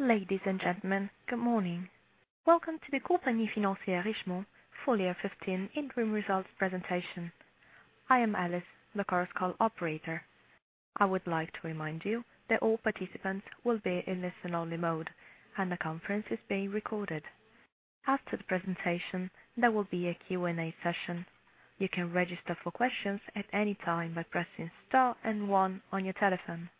Ladies and gentlemen, good morning. Welcome to the Compagnie Financière Richemont full-year 2015 interim results presentation. I am Alice, the current call operator. I would like to remind you that all participants will be in listen-only mode, and the conference is being recorded. After the presentation, there will be a Q&A session. You can register for questions at any time by pressing star and one on your telephone.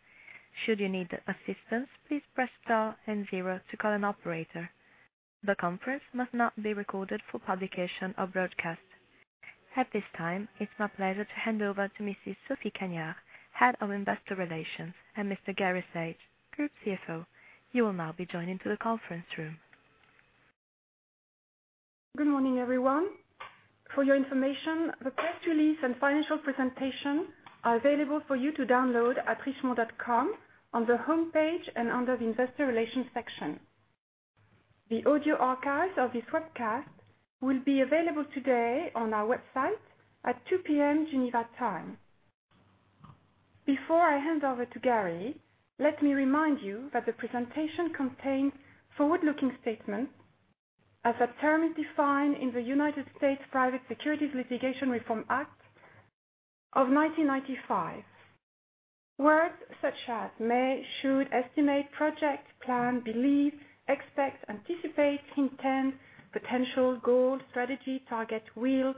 Should you need assistance, please press star and zero to call an operator. The conference must not be recorded for publication or broadcast. At this time, it's my pleasure to hand over to Mrs. Sophie Cagnard, Head of Investor Relations, and Mr. Gary Saage, Group CFO. You will now be joined into the conference room. Good morning, everyone. For your information, the press release and financial presentation are available for you to download at richemont.com on the homepage and under the Investor Relations section. The audio archives of this webcast will be available today on our website at 2:00 P.M. Geneva time. Before I hand over to Gary, let me remind you that the presentation contains forward-looking statements as that term is defined in the Private Securities Litigation Reform Act of 1995. Words such as may, should, estimate, project, plan, believe, expect, anticipate, intend, potential, goal, strategy, target, will,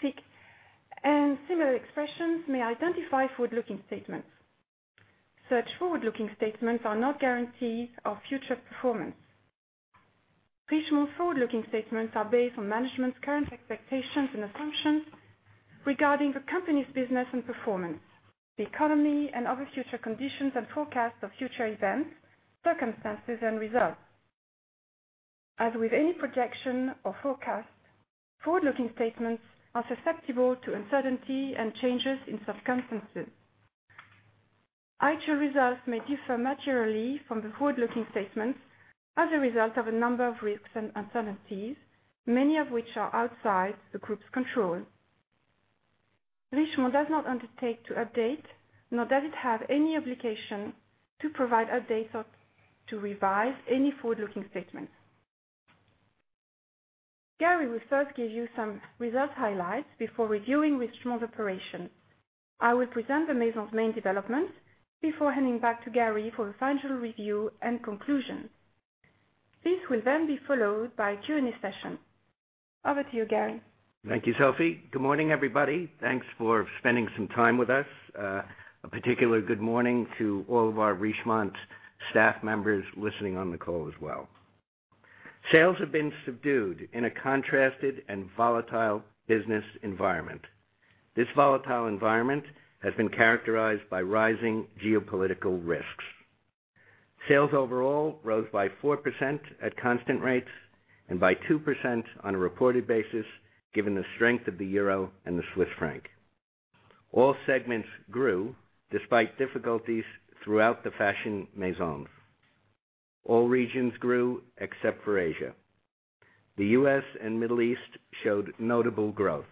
seek, and similar expressions may identify forward-looking statements. Such forward-looking statements are not guarantees of future performance. Richemont forward-looking statements are based on management's current expectations and assumptions regarding the company's business and performance, the economy and other future conditions and forecasts of future events, circumstances, and results. As with any projection or forecast, forward-looking statements are susceptible to uncertainty and changes in circumstances. Actual results may differ materially from the forward-looking statements as a result of a number of risks and uncertainties, many of which are outside the group's control. Richemont does not undertake to update, nor does it have any obligation to provide updates or to revise any forward-looking statements. Gary will first give you some results highlights before reviewing Richemont operations. I will present the Maison's main developments before handing back to Gary for the financial review and conclusion. This will then be followed by a Q&A session. Over to you, Gary. Thank you, Sophie. Good morning, everybody. Thanks for spending some time with us. A particular good morning to all of our Richemont staff members listening on the call as well. Sales have been subdued in a contrasted and volatile business environment. This volatile environment has been characterized by rising geopolitical risks. Sales overall rose by 4% at constant rates and by 2% on a reported basis, given the strength of the euro and the Swiss franc. All segments grew despite difficulties throughout the fashion Maisons. All regions grew except for Asia. The U.S. and Middle East showed notable growth.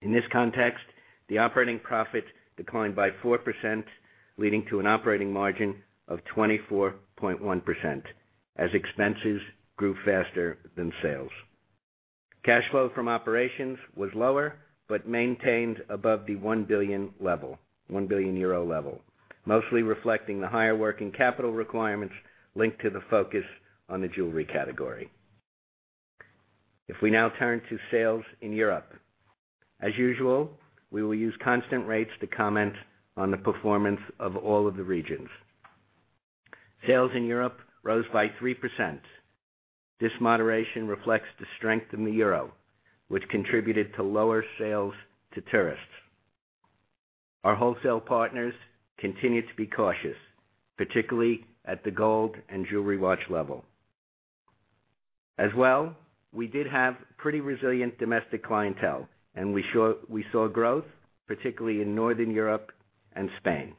In this context, the operating profit declined by 4%, leading to an operating margin of 24.1% as expenses grew faster than sales. Cash flow from operations was lower, but maintained above the 1 billion EUR level, mostly reflecting the higher working capital requirements linked to the focus on the jewelry category. If we now turn to sales in Europe, as usual, we will use constant rates to comment on the performance of all of the regions. Sales in Europe rose by 3%. This moderation reflects the strength in the euro, which contributed to lower sales to tourists. Our wholesale partners continue to be cautious, particularly at the gold and jewelry watch level. As well, we did have pretty resilient domestic clientele, and we saw growth, particularly in Northern Europe and Spain.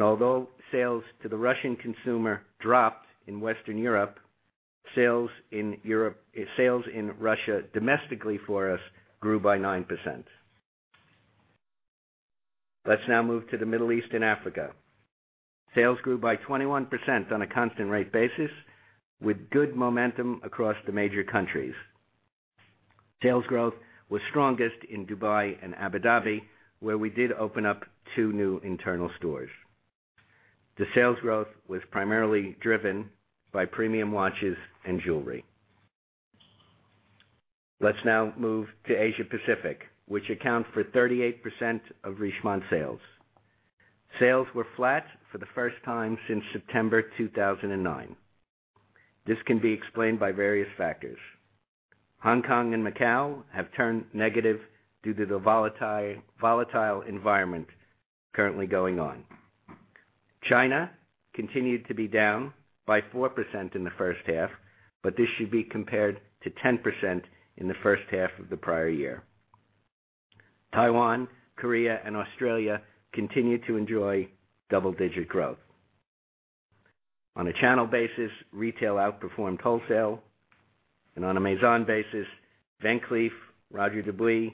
Although sales to the Russian consumer dropped in Western Europe, sales in Russia domestically for us grew by 9%. On a Maison level, Van Cleef, A. Lange & Söhne, Roger Dubuis, Montblanc, and Net-a-Porter did particularly well. Let's now move to the Middle East and Africa. Sales grew by 21% on a constant rate basis, with good momentum across the major countries. Sales growth was strongest in Dubai and Abu Dhabi, where we did open up 2 new internal stores. The sales growth was primarily driven by premium watches and jewelry. Let's now move to Asia-Pacific, which accounts for 38% of Richemont sales. Sales were flat for the first time since September 2009. This can be explained by various factors. Hong Kong and Macau have turned negative due to the volatile environment currently going on. China continued to be down by 4% in the first half. This should be compared to 10% in the first half of the prior year. Taiwan, Korea, and Australia continue to enjoy double-digit growth. On a channel basis, retail outperformed wholesale. On a Maison basis, Van Cleef, Roger Dubuis,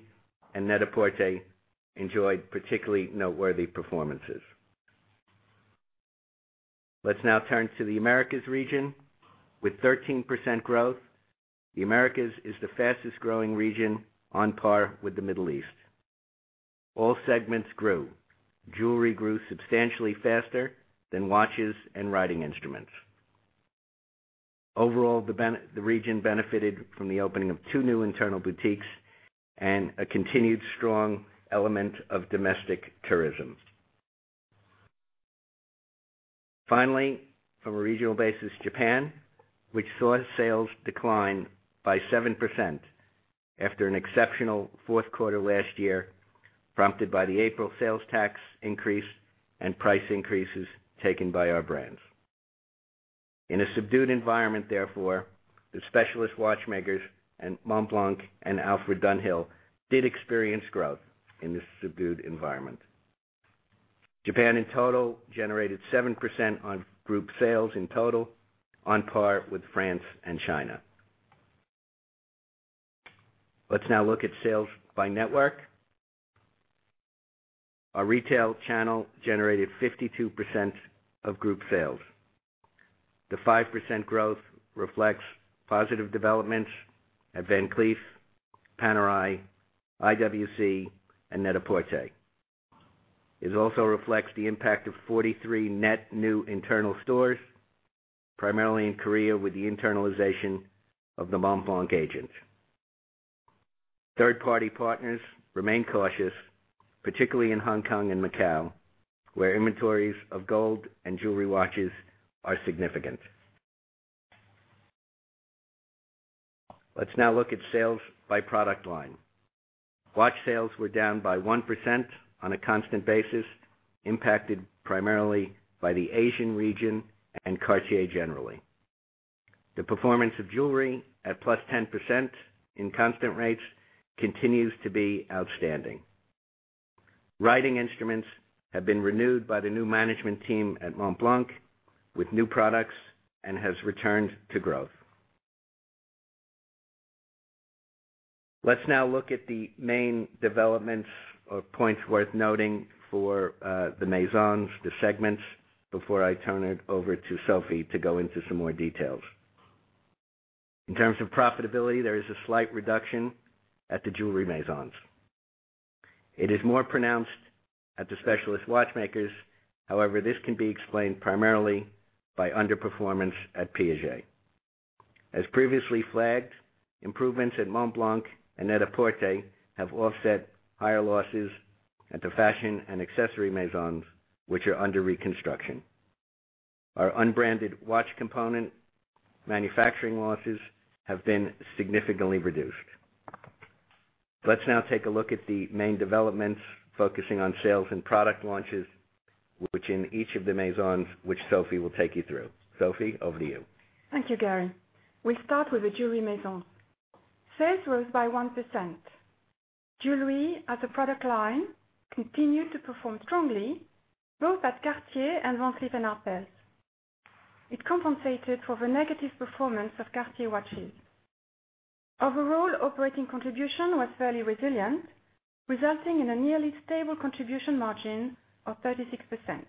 and Net-a-Porter enjoyed particularly noteworthy performances. Let's now turn to the Americas region. With 13% growth, the Americas is the fastest-growing region on par with the Middle East. All segments grew. Jewelry grew substantially faster than watches and writing instruments. Overall, the region benefited from the opening of 2 new internal boutiques and a continued strong element of domestic tourism. Finally, from a regional basis, Japan, which saw sales decline by 7% after an exceptional fourth quarter last year prompted by the April sales tax increase and price increases taken by our brands. In a subdued environment therefore, the specialist watchmakers and Montblanc and Alfred Dunhill did experience growth in this subdued environment. Japan in total generated 7% on group sales in total, on par with France and China. Let's now look at sales by network. Our retail channel generated 52% of group sales. The 5% growth reflects positive developments at Van Cleef, Panerai, IWC, and Net-a-Porter. It also reflects the impact of 43 net new internal stores, primarily in Korea, with the internalization of the Montblanc agents. Third-party partners remain cautious, particularly in Hong Kong and Macau, where inventories of gold and jewelry watches are significant. Let's now look at sales by product line. Watch sales were down by 1% on a constant basis, impacted primarily by the Asian region and Cartier generally. The performance of jewelry at plus 10% in constant rates continues to be outstanding. Writing instruments have been renewed by the new management team at Montblanc with new products and have returned to growth. Let's now look at the main developments or points worth noting for the Maisons, the segments before I turn it over to Sophie to go into some more details. In terms of profitability, there is a slight reduction at the jewelry Maisons. It is more pronounced at the specialist watchmakers. However, this can be explained primarily by underperformance at Piaget. As previously flagged, improvements at Montblanc and Net-a-Porter have offset higher losses at the fashion and accessory Maisons, which are under reconstruction. Our unbranded watch component manufacturing losses have been significantly reduced. Let's now take a look at the main developments, focusing on sales and product launches, which in each of the Maisons, which Sophie will take you through. Sophie, over to you. Thank you, Gary. We start with the jewelry Maisons. Sales rose by 1%. Jewelry as a product line continued to perform strongly both at Cartier and Van Cleef & Arpels. It compensated for the negative performance of Cartier watches. Overall operating contribution was fairly resilient, resulting in a nearly stable contribution margin of 36%.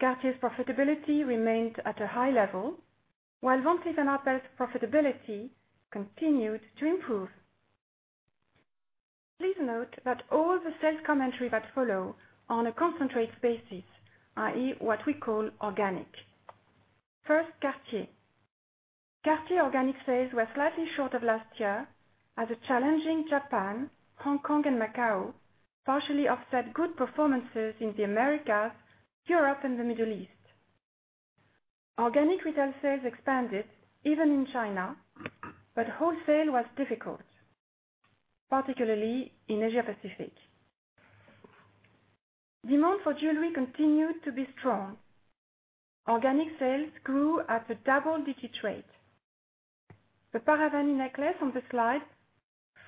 Cartier's profitability remained at a high level, while Van Cleef & Arpels profitability continued to improve. Please note that all the sales commentary that follow on a concentrate basis, i.e., what we call organic. First, Cartier. Cartier organic sales were slightly short of last year as a challenging Japan, Hong Kong and Macau partially offset good performances in the Americas, Europe and the Middle East. Organic retail sales expanded even in China, but wholesale was difficult, particularly in Asia Pacific. Demand for jewelry continued to be strong. Organic sales grew at a double-digit rate. The Paravane necklace on the slide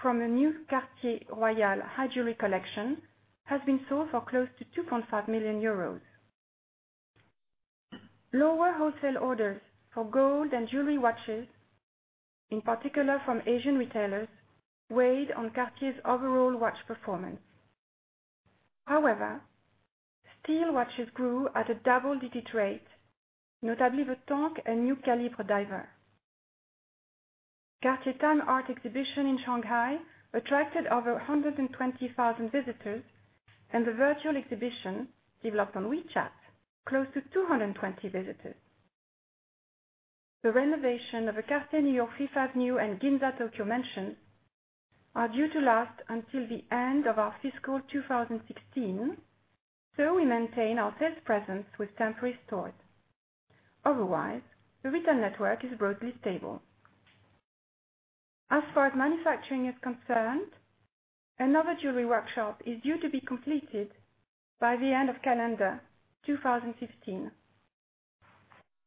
from a new Cartier Royale high jewelry collection has been sold for close to 2.5 million euros. Lower wholesale orders for gold and jewelry watches, in particular from Asian retailers, weighed on Cartier's overall watch performance. However, steel watches grew at a double-digit rate, notably the Tank and new Calibre diver. Cartier Time Art Exhibition in Shanghai attracted over 120,000 visitors, and the virtual exhibition developed on WeChat, close to 220 visitors. The renovation of a Cartier New York Fifth Avenue and Ginza Tokyo mansion are due to last until the end of our fiscal 2016, we maintain our sales presence with temporary stores. Otherwise, the retail network is broadly stable. As far as manufacturing is concerned, another jewelry workshop is due to be completed by the end of calendar 2016.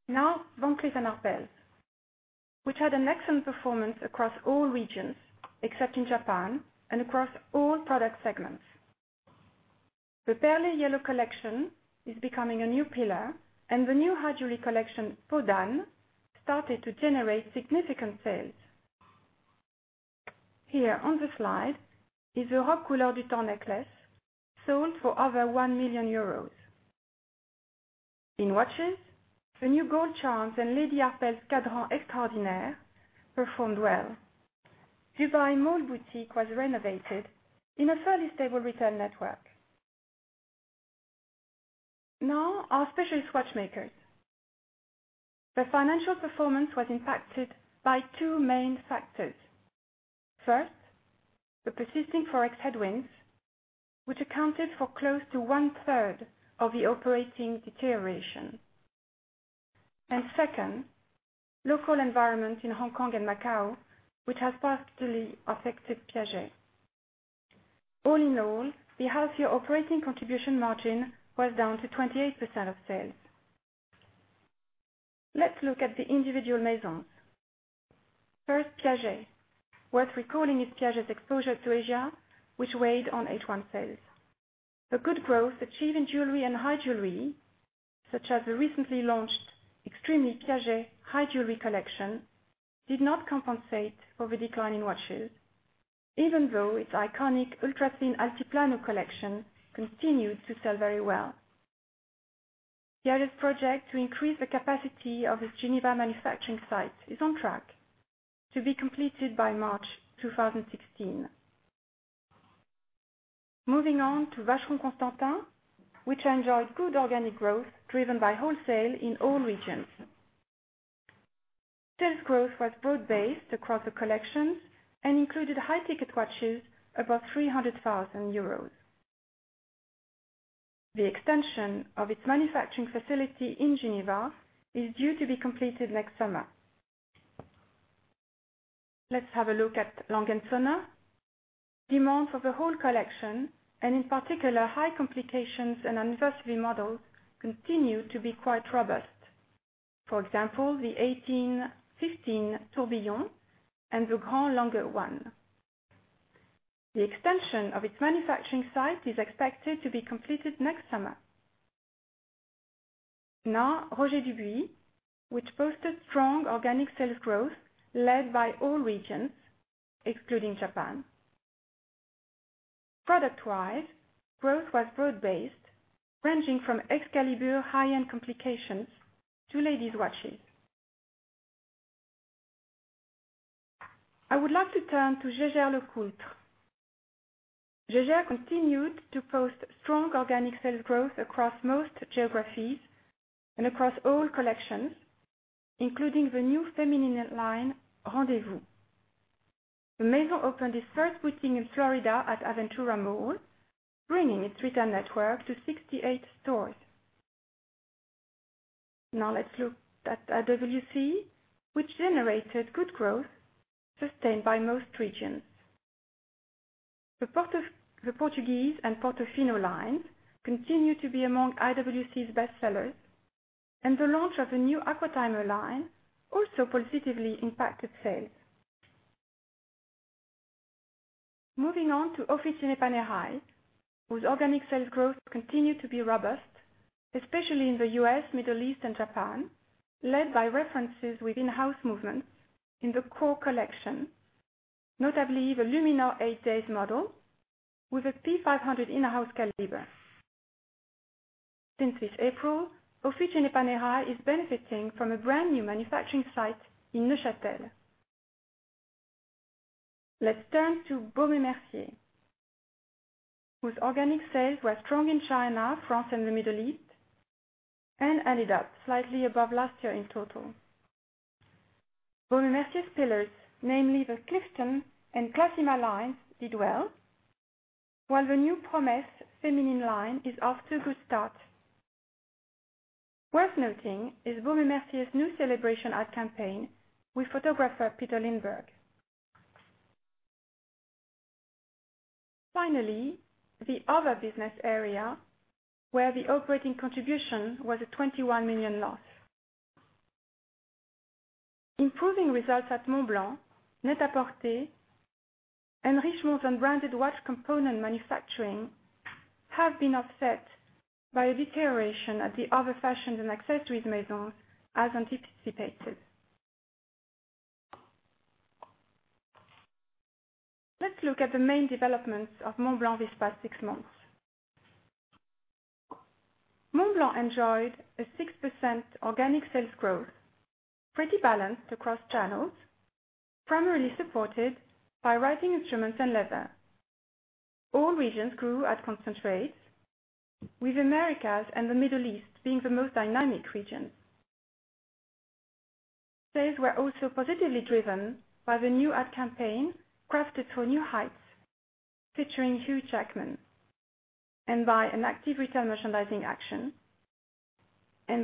Van Cleef & Arpels, which had an excellent performance across all regions except in Japan and across all product segments. The Perlee Yellow collection is becoming a new pillar, and the new high jewelry collection, Peau d'Âne, started to generate significant sales. Here on the slide is a Robe Couleur du Temps necklace sold for over 1 million euros. In watches, the new Gold Charms and Lady Arpels Cadran Extraordinaire performed well. Dubai Mall boutique was renovated in a fairly stable retail network. Our specialist watchmakers. The financial performance was impacted by two main factors. First, the persisting Forex headwinds, which accounted for close to one-third of the operating deterioration. Second, local environment in Hong Kong and Macau, which has particularly affected Piaget. The healthier operating contribution margin was down to 28% of sales. Let's look at the individual Maisons. First, Piaget. Worth recalling is Piaget's exposure to Asia, which weighed on H1 sales. The good growth achieved in jewelry and high jewelry, such as the recently launched Extremely Piaget high jewelry collection, did not compensate for the decline in watches, even though its iconic ultra-thin Altiplano collection continued to sell very well. Piaget's project to increase the capacity of its Geneva manufacturing site is on track to be completed by March 2016. Moving on to Vacheron Constantin, which enjoyed good organic growth driven by wholesale in all regions. Sales growth was broad-based across the collections and included high-ticket watches above 300,000 euros. The extension of its manufacturing facility in Geneva is due to be completed next summer. Let's have a look at A. Lange & Söhne. Demand for the whole collection, in particular, high complications and anniversary models continue to be quite robust. For example, the 1815 Tourbillon and the Grand Lange 1. The extension of its manufacturing site is expected to be completed next summer. Roger Dubuis, which posted strong organic sales growth led by all regions, excluding Japan. Product-wise, growth was broad-based, ranging from Excalibur high-end complications to ladies watches. I would like to turn to Jaeger-LeCoultre. Jaeger continued to post strong organic sales growth across most geographies and across all collections, including the new feminine line, Rendez-Vous. The Maison opened its first boutique in Florida at Aventura Mall, bringing its retail network to 68 stores. Let's look at IWC, which generated good growth sustained by most regions. The Portugieser and Portofino lines continue to be among IWC's bestsellers, the launch of a new Aquatimer line also positively impacted sales. Moving on to Officine Panerai, whose organic sales growth continued to be robust, especially in the U.S., Middle East, and Japan, led by references with in-house movements in the Core collection. Notably, the Luminor 8 Days model with a P.500 in-house caliber. Since this April, Officine Panerai is benefiting from a brand-new manufacturing site in Neuchâtel. Let's turn to Baume & Mercier, whose organic sales were strong in China, France, and the Middle East, ended up slightly above last year in total. Baume & Mercier's pillars, namely the Clifton and Classima lines, did well, while the new Promesse feminine line is off to a good start. Worth noting is Baume & Mercier's new celebration ad campaign with photographer Peter Lindbergh. The other business area where the operating contribution was a 21 million loss. Improving results at Montblanc, Net-à-Porter, Richemont's unbranded watch component manufacturing have been offset by a deterioration at the other fashions and accessories Maisons as anticipated. Let's look at the main developments of Montblanc these past six months. Montblanc enjoyed a 6% organic sales growth, pretty balanced across channels, primarily supported by writing instruments and leather. All regions grew at constant rates, with Americas and the Middle East being the most dynamic regions. Sales were also positively driven by the new ad campaign, Crafted for New Heights, featuring Hugh Jackman, by an active retail merchandising action,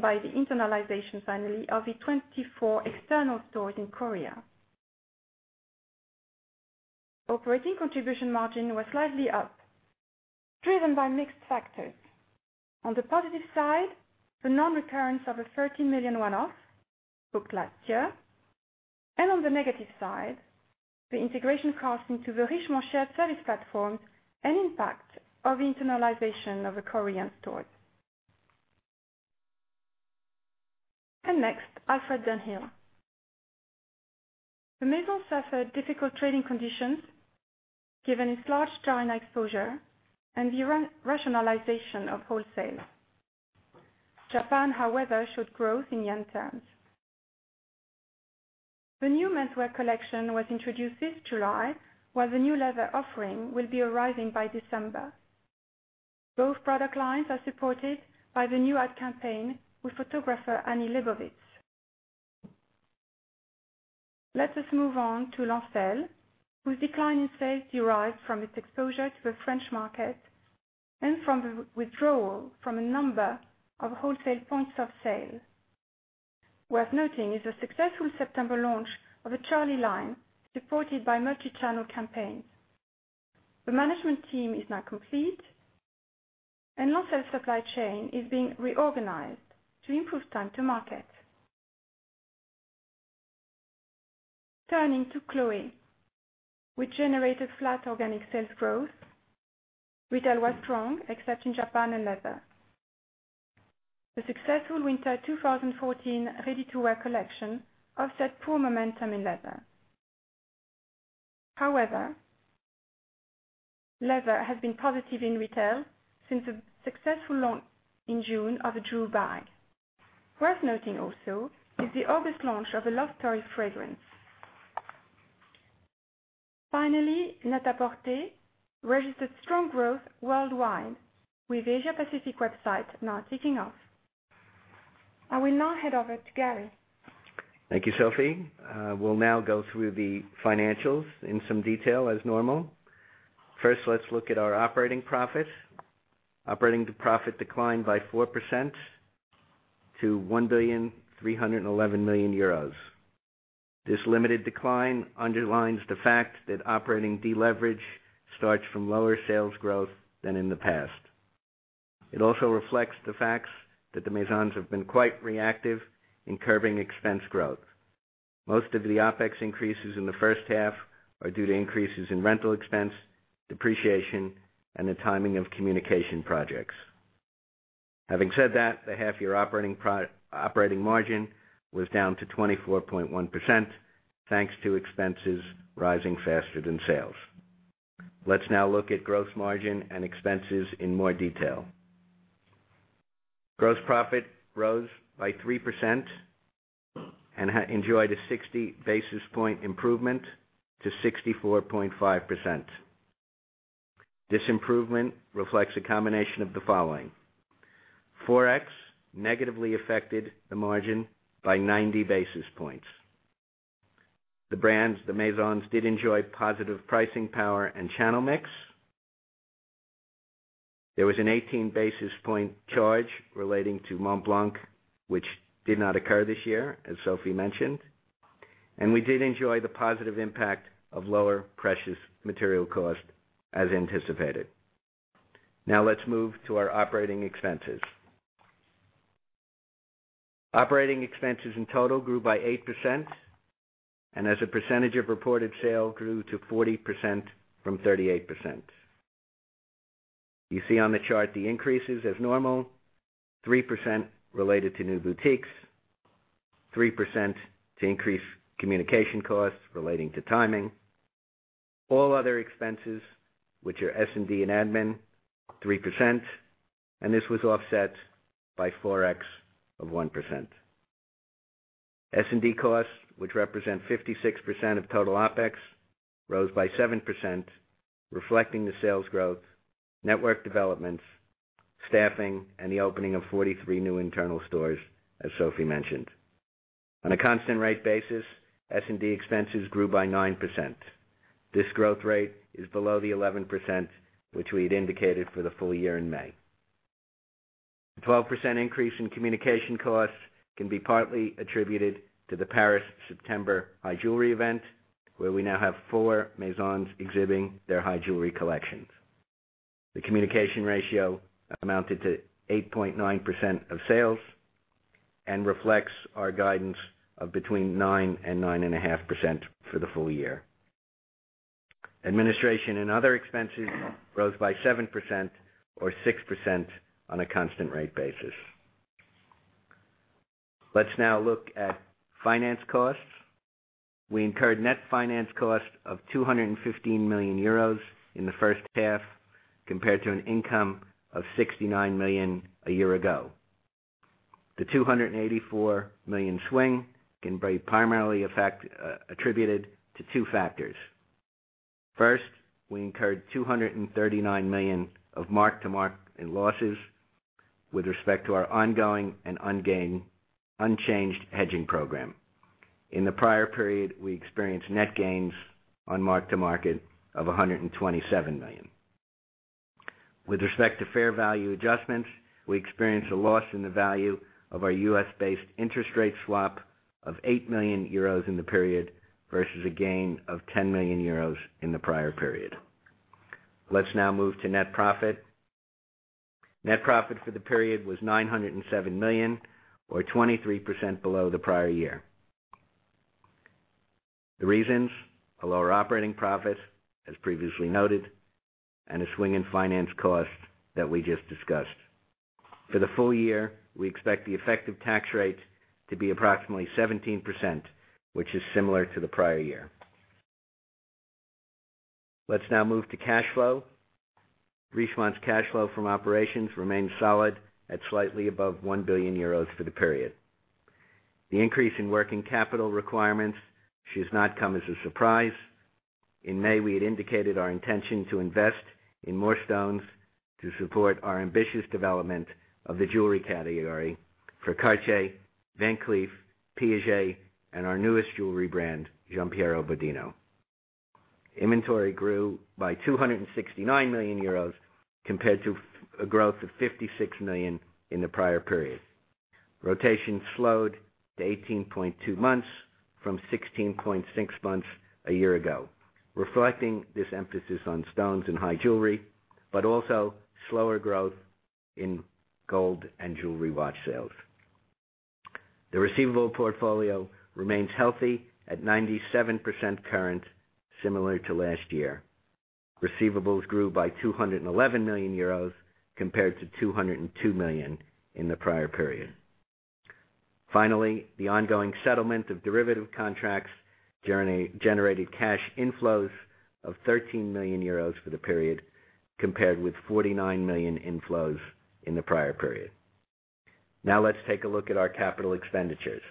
by the internalization finally of the 24 external stores in Korea. Operating contribution margin was slightly up, driven by mixed factors. On the positive side, the non-recurrence of a 30 million one-off booked last year, on the negative side, the integration costs into the Richemont shared service platform and impact of the internalization of a Korean store. Next, Alfred Dunhill. The maison suffered difficult trading conditions given its large China exposure and the rationalization of wholesale. Japan, however, showed growth in JPY terms. The new menswear collection was introduced this July while the new leather offering will be arriving by December. Both product lines are supported by the new ad campaign with photographer Annie Leibovitz. Let us move on to Lancel, whose decline in sales derives from its exposure to the French market and from the withdrawal from a number of wholesale points of sale. Worth noting is the successful September launch of the Charlie line, supported by multi-channel campaigns. The management team is now complete, Lancel supply chain is being reorganized to improve time to market. Turning to Chloé, which generated flat organic sales growth. Retail was strong except in Japan and leather. The successful winter 2014 ready-to-wear collection offset poor momentum in leather. However, leather has been positive in retail since the successful launch in June of the Drew bag. Worth noting also is the August launch of the Love Story fragrance. Finally, Net-a-Porter registered strong growth worldwide with Asia-Pacific website now taking off. I will now hand over to Gary. Thank you, Sophie. We will now go through the financials in some detail as normal. First, let's look at our operating profit. Operating profit declined by 4% to 1.311 billion. This limited decline underlines the fact that operating deleverage starts from lower sales growth than in the past. It also reflects the facts that the Maisons have been quite reactive in curbing expense growth. Most of the OpEx increases in the first half are due to increases in rental expense, depreciation, and the timing of communication projects. Having said that, the half-year operating margin was down to 24.1% thanks to expenses rising faster than sales. Let's now look at gross margin and expenses in more detail. Gross profit rose by 3% and enjoyed a 60 basis point improvement to 64.5%. This improvement reflects a combination of the following: Forex negatively affected the margin by 90 basis points. The brands, the Maisons, did enjoy positive pricing power and channel mix. There was an 18 basis point charge relating to Montblanc, which did not occur this year, as Sophie mentioned. We did enjoy the positive impact of lower precious material cost as anticipated. Now let's move to our operating expenses. Operating expenses in total grew by 8%, as a percentage of reported sale grew to 40% from 38%. You see on the chart the increases as normal, 3% related to new boutiques, 3% to increase communication costs relating to timing. All other expenses, which are S&D and admin, 3%. This was offset by Forex of 1%. S&D costs, which represent 56% of total OpEx, rose by 7%, reflecting the sales growth, network developments, staffing, and the opening of 43 new internal stores, as Sophie mentioned. On a constant rate basis, S&D expenses grew by 9%. This growth rate is below the 11%, which we had indicated for the full year in May. The 12% increase in communication costs can be partly attributed to the Paris September high jewelry event, where we now have four Maisons exhibiting their high jewelry collections. The communication ratio amounted to 8.9% of sales and reflects our guidance of between 9% and 9.5% for the full year. Administration and other expenses rose by 7% or 6% on a constant rate basis. Let's now look at finance costs. We incurred net finance cost of 215 million euros in the first half, compared to an income of 69 million a year ago. The 284 million swing can be primarily attributed to two factors. First, we incurred 239 million of mark-to-market in losses with respect to our ongoing and unchanged hedging program. In the prior period, we experienced net gains on mark-to-market of 127 million. With respect to fair value adjustments, we experienced a loss in the value of our U.S.-based interest rate swap of 8 million euros in the period versus a gain of 10 million euros in the prior period. Let's now move to net profit. Net profit for the period was 907 million, or 23% below the prior year. The reasons: a lower operating profit, as previously noted, and a swing in finance costs that we just discussed. For the full year, we expect the effective tax rate to be approximately 17%, which is similar to the prior year. Let's now move to cash flow. Richemont's cash flow from operations remained solid at slightly above 1 billion euros for the period. The increase in working capital requirements should not come as a surprise. In May, we had indicated our intention to invest in more stones to support our ambitious development of the jewelry category for Cartier, Van Cleef, Piaget, and our newest jewelry brand, Giampiero Bodino. Inventory grew by 269 million euros compared to a growth of 56 million in the prior period. Rotation slowed to 18.2 months from 16.6 months a year ago, reflecting this emphasis on stones and high jewelry, but also slower growth in gold and jewelry watch sales. The receivable portfolio remains healthy at 97% current, similar to last year. Receivables grew by 211 million euros compared to 202 million in the prior period. Finally, the ongoing settlement of derivative contracts generated cash inflows of 13 million euros for the period, compared with 49 million inflows in the prior period. Let's take a look at our capital expenditures.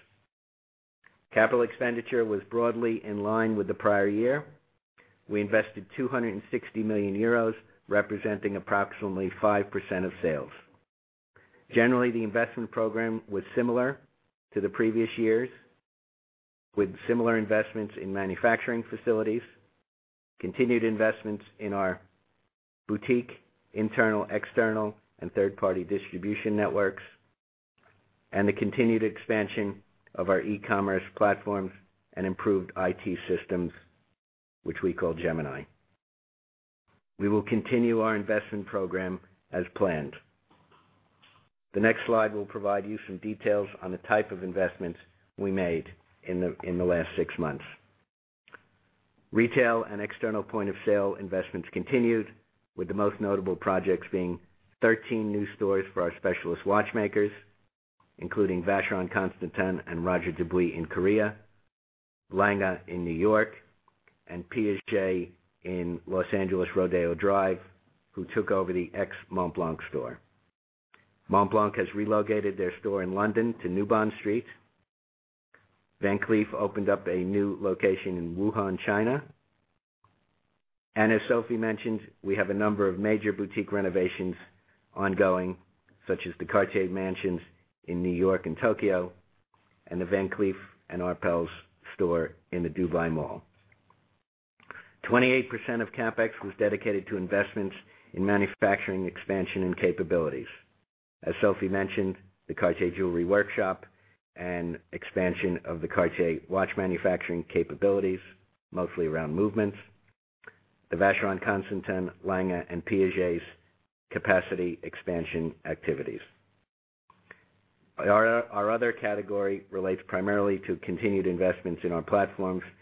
Capital expenditure was broadly in line with the prior year. We invested 260 million euros, representing approximately 5% of sales. Generally, the investment program was similar to the previous years', with similar investments in manufacturing facilities, continued investments in our boutique, internal, external, and third-party distribution networks, and the continued expansion of our e-commerce platforms and improved IT systems, which we call Gemini. We will continue our investment program as planned. The next slide will provide you some details on the type of investments we made in the last six months. Retail and external point-of-sale investments continued, with the most notable projects being 13 new stores for our specialist watchmakers, including Vacheron Constantin and Roger Dubuis in Korea, Lange in New York, and Piaget in Los Angeles, Rodeo Drive, who took over the ex-Montblanc store. Montblanc has relocated their store in London to New Bond Street. Van Cleef opened up a new location in Wuhan, China. As Sophie mentioned, we have a number of major boutique renovations ongoing, such as the Cartier Mansions in N.Y. and Tokyo, and the Van Cleef & Arpels store in the Dubai Mall. 28% of CapEx was dedicated to investments in manufacturing expansion and capabilities. As Sophie mentioned, the Cartier Jewelry Workshop and expansion of the Cartier watch manufacturing capabilities, mostly around movements. The Vacheron Constantin, Lange, and Piaget's capacity expansion activities. Our other category relates primarily to continued investments in our platforms and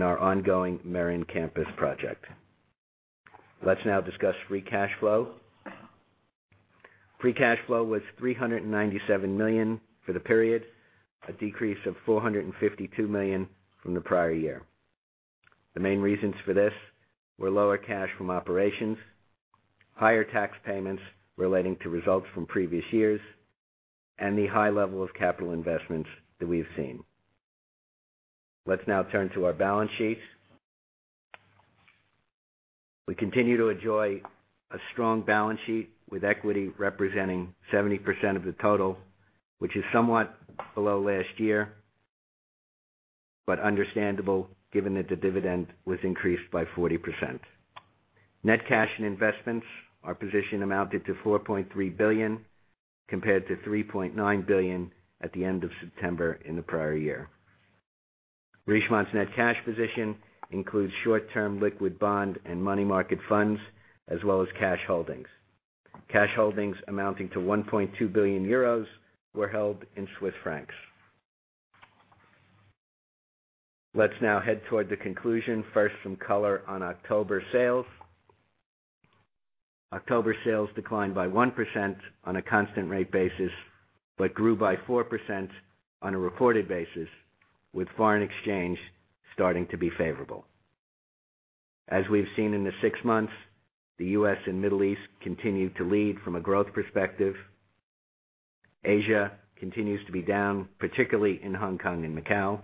our ongoing Meyrin campus project. Let's now discuss free cash flow. Free cash flow was 397 million for the period, a decrease of 452 million from the prior year. The main reasons for this were lower cash from operations, higher tax payments relating to results from previous years, and the high level of capital investments that we've seen. Let's now turn to our balance sheet. We continue to enjoy a strong balance sheet, with equity representing 70% of the total, which is somewhat below last year, but understandable given that the dividend was increased by 40%. Net cash and investments, our position amounted to 4.3 billion, compared to 3.9 billion at the end of September in the prior year. Richemont's net cash position includes short-term liquid bond and money market funds, as well as cash holdings. Cash holdings amounting to 1.2 billion euros were held in Swiss francs. Let's now head toward the conclusion, first, some color on October sales. October sales declined by 1% on a constant rate basis, but grew by 4% on a reported basis, with foreign exchange starting to be favorable. As we've seen in the six months, the U.S. and Middle East continued to lead from a growth perspective. Asia continues to be down, particularly in Hong Kong and Macau.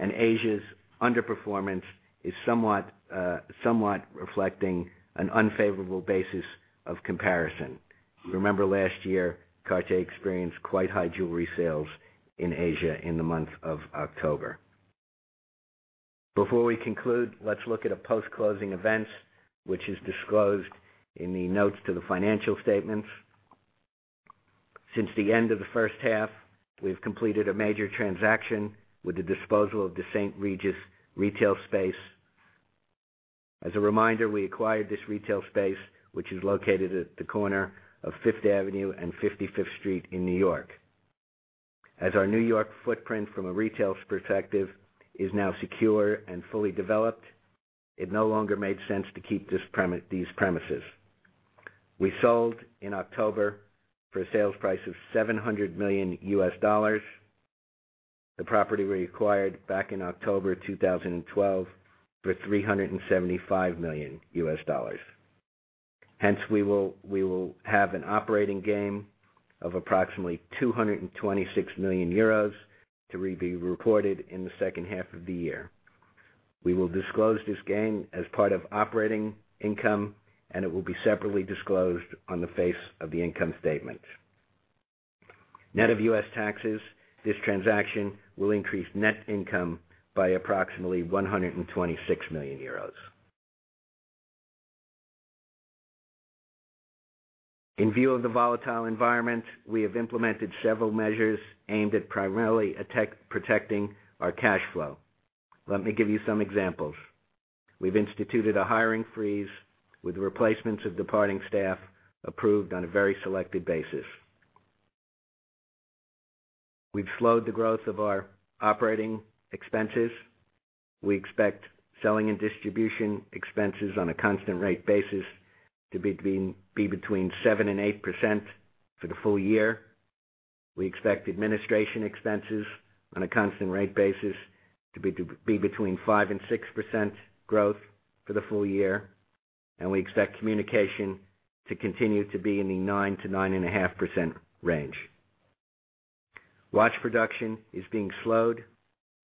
Asia's underperformance is somewhat reflecting an unfavorable basis of comparison. If you remember last year, Cartier experienced quite high jewelry sales in Asia in the month of October. Before we conclude, let's look at the post-closing events, which is disclosed in the notes to the financial statements. Since the end of the first half, we've completed a major transaction with the disposal of the St. Regis retail space. As a reminder, we acquired this retail space, which is located at the corner of Fifth Avenue and 55th Street in N.Y. As our N.Y. footprint from a retail perspective is now secure and fully developed, it no longer made sense to keep these premises. We sold in October for a sales price of $700 million. The property we acquired back in October 2012 for $375 million. We will have an operating gain of approximately 226 million euros to be reported in the second half of the year. We will disclose this gain as part of operating income, and it will be separately disclosed on the face of the income statement. Net of U.S. taxes, this transaction will increase net income by approximately 126 million euros. In view of the volatile environment, we have implemented several measures aimed at primarily protecting our cash flow. Let me give you some examples. We've instituted a hiring freeze with replacements of departing staff approved on a very selective basis. We've slowed the growth of our operating expenses. We expect selling and distribution expenses on a constant rate basis to be between 7%-8% for the full year. We expect administration expenses on a constant rate basis to be between 5%-6% growth for the full year. We expect communication to continue to be in the 9%-9.5% range. Watch production is being slowed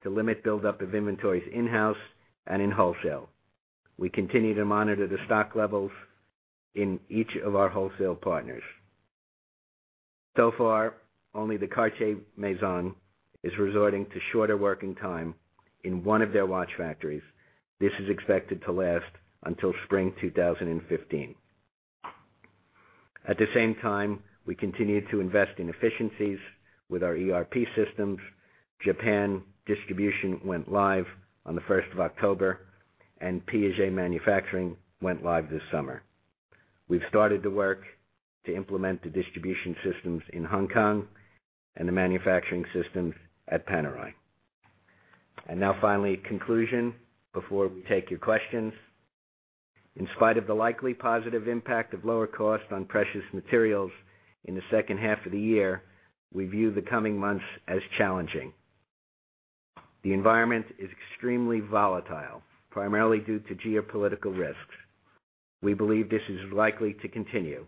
to limit buildup of inventories in-house and in wholesale. We continue to monitor the stock levels in each of our wholesale partners. So far, only the Cartier Maison is resorting to shorter working time in one of their watch factories. This is expected to last until spring 2015. At the same time, we continue to invest in efficiencies with our ERP systems. Japan distribution went live on the 1st of October, and Piaget manufacturing went live this summer. We've started the work to implement the distribution systems in Hong Kong and the manufacturing systems at Panerai. Finally, conclusion before we take your questions. In spite of the likely positive impact of lower cost on precious materials in the second half of the year, we view the coming months as challenging. The environment is extremely volatile, primarily due to geopolitical risks. We believe this is likely to continue.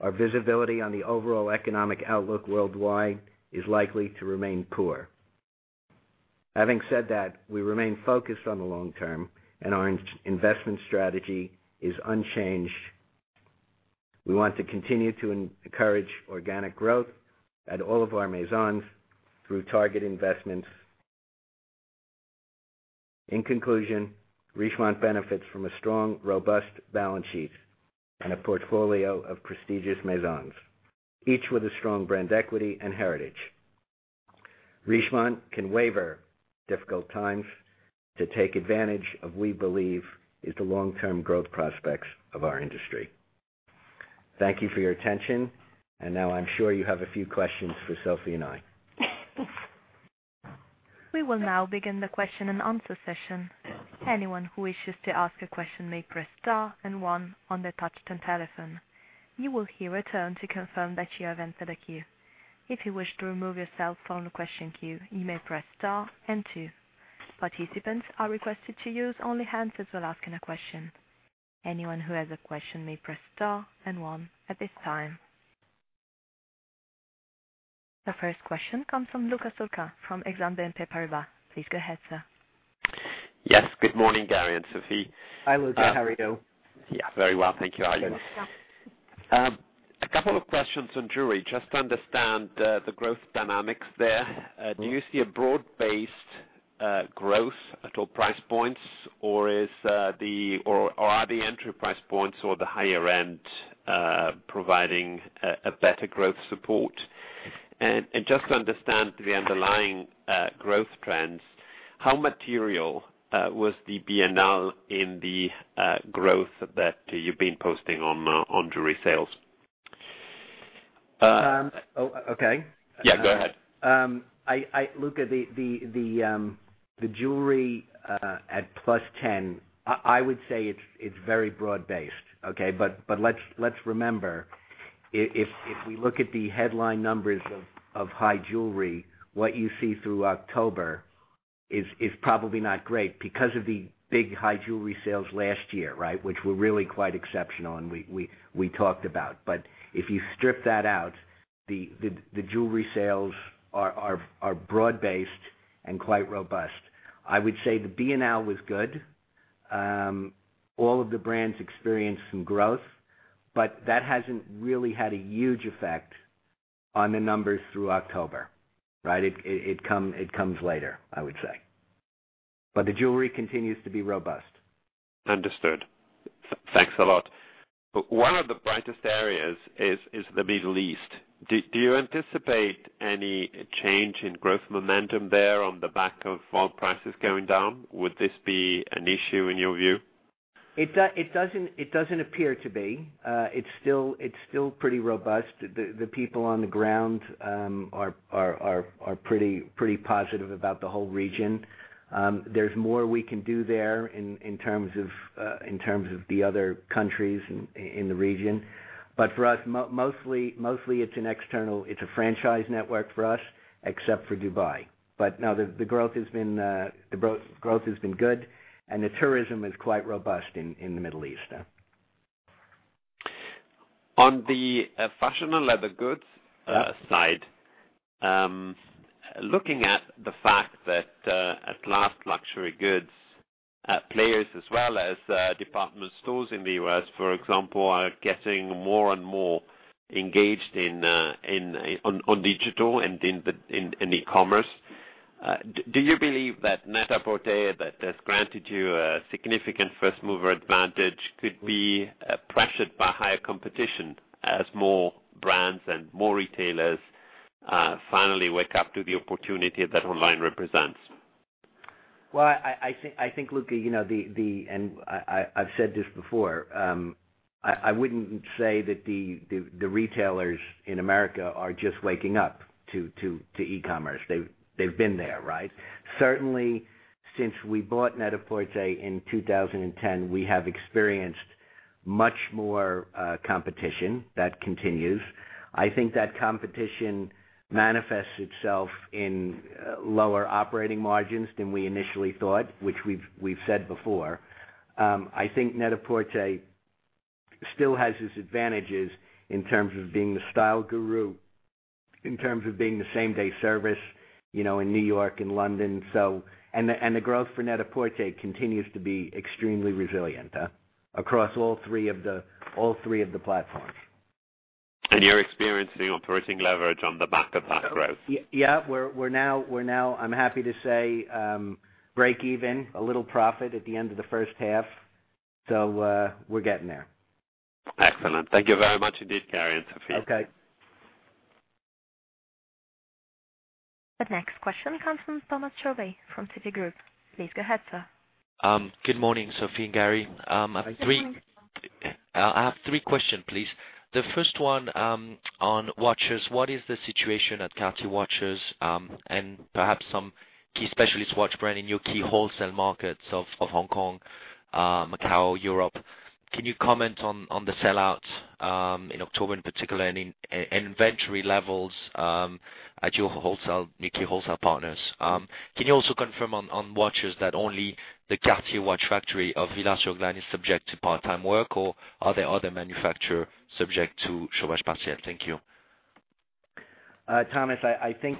Our visibility on the overall economic outlook worldwide is likely to remain poor. Having said that, we remain focused on the long term, and our investment strategy is unchanged. We want to continue to encourage organic growth at all of our Maisons through target investments. In conclusion, Richemont benefits from a strong, robust balance sheet and a portfolio of prestigious Maisons, each with a strong brand equity and heritage. Richemont can weather difficult times to take advantage of, we believe is the long-term growth prospects of our industry. Thank you for your attention, and now I'm sure you have a few questions for Sophie and I. We will now begin the question and answer session. Anyone who wishes to ask a question may press star one on their touch-tone telephone. You will hear a tone to confirm that you have entered a queue. If you wish to remove yourself from the question queue, you may press star two. Participants are requested to use only one line as well asking a question. Anyone who has a question may press star one at this time. The first question comes from Luca Solca from Exane BNP Paribas. Please go ahead, sir. Yes. Good morning, Gary and Sophie. Hi, Luca. How are you? Yeah, very well. Thank you. How are you? Yeah. A couple of questions on jewelry, just to understand the growth dynamics there. Do you see a broad-based growth at all price points, or are the entry price points or the higher end providing a better growth support? Just to understand the underlying growth trends, how material was the Biennale in the growth that you've been posting on jewelry sales? Okay. Yeah, go ahead. Luca, the jewelry at +10%, I would say it's very broad-based, okay? Let's remember, if we look at the headline numbers of high jewelry, what you see through October is probably not great because of the big high jewelry sales last year, right, which were really quite exceptional, and we talked about. If you strip that out, the jewelry sales are broad-based and quite robust. I would say the Biennale was good. All of the brands experienced some growth, but that hasn't really had a huge effect on the numbers through October, right? It comes later, I would say. The jewelry continues to be robust. Understood. Thanks a lot. One of the brightest areas is the Middle East. Do you anticipate any change in growth momentum there on the back of oil prices going down? Would this be an issue in your view? It doesn't appear to be. It's still pretty robust. The people on the ground are pretty positive about the whole region. There's more we can do there in terms of the other countries in the region. For us, mostly it's a franchise network for us, except for Dubai. No, the growth has been good, and the tourism is quite robust in the Middle East. On the fashion and leather goods side, looking at the fact that at last luxury goods players as well as department stores in the U.S., for example, are getting more and more engaged on digital and in e-commerce. Do you believe that Net-a-Porter, that has granted you a significant first-mover advantage, could be pressured by higher competition as more brands and more retailers finally wake up to the opportunity that online represents? Well, I think, Luca, I've said this before, I wouldn't say that the retailers in America are just waking up to e-commerce. They've been there, right? Certainly, since we bought Net-a-Porter in 2010, we have experienced much more competition. That continues. I think that competition manifests itself in lower operating margins than we initially thought, which we've said before. I think Net-a-Porter still has its advantages in terms of being the style guru, in terms of being the same-day service in New York and London. The growth for Net-a-Porter continues to be extremely resilient across all three of the platforms. You're experiencing operating leverage on the back of that growth? Yeah, we're now, I'm happy to say, break even, a little profit at the end of the first half. We're getting there. Excellent. Thank you very much indeed, Gary and Sophie. Okay. The next question comes from Thomas Chauvet from Citigroup. Please go ahead, sir. Good morning, Sophie and Gary. Good morning, Thomas. I have three question, please. The first one on watches. What is the situation at Cartier Watches and perhaps some key specialist watch brand in your key wholesale markets of Hong Kong, Macau, Europe? Can you comment on the sell-out in October in particular, and inventory levels at your key wholesale partners? Can you also confirm on watches that only the Cartier Watch factory of Villars-sur-Glâne is subject to part-time work, or are there other manufacturer subject to? Thank you. Thomas, I think,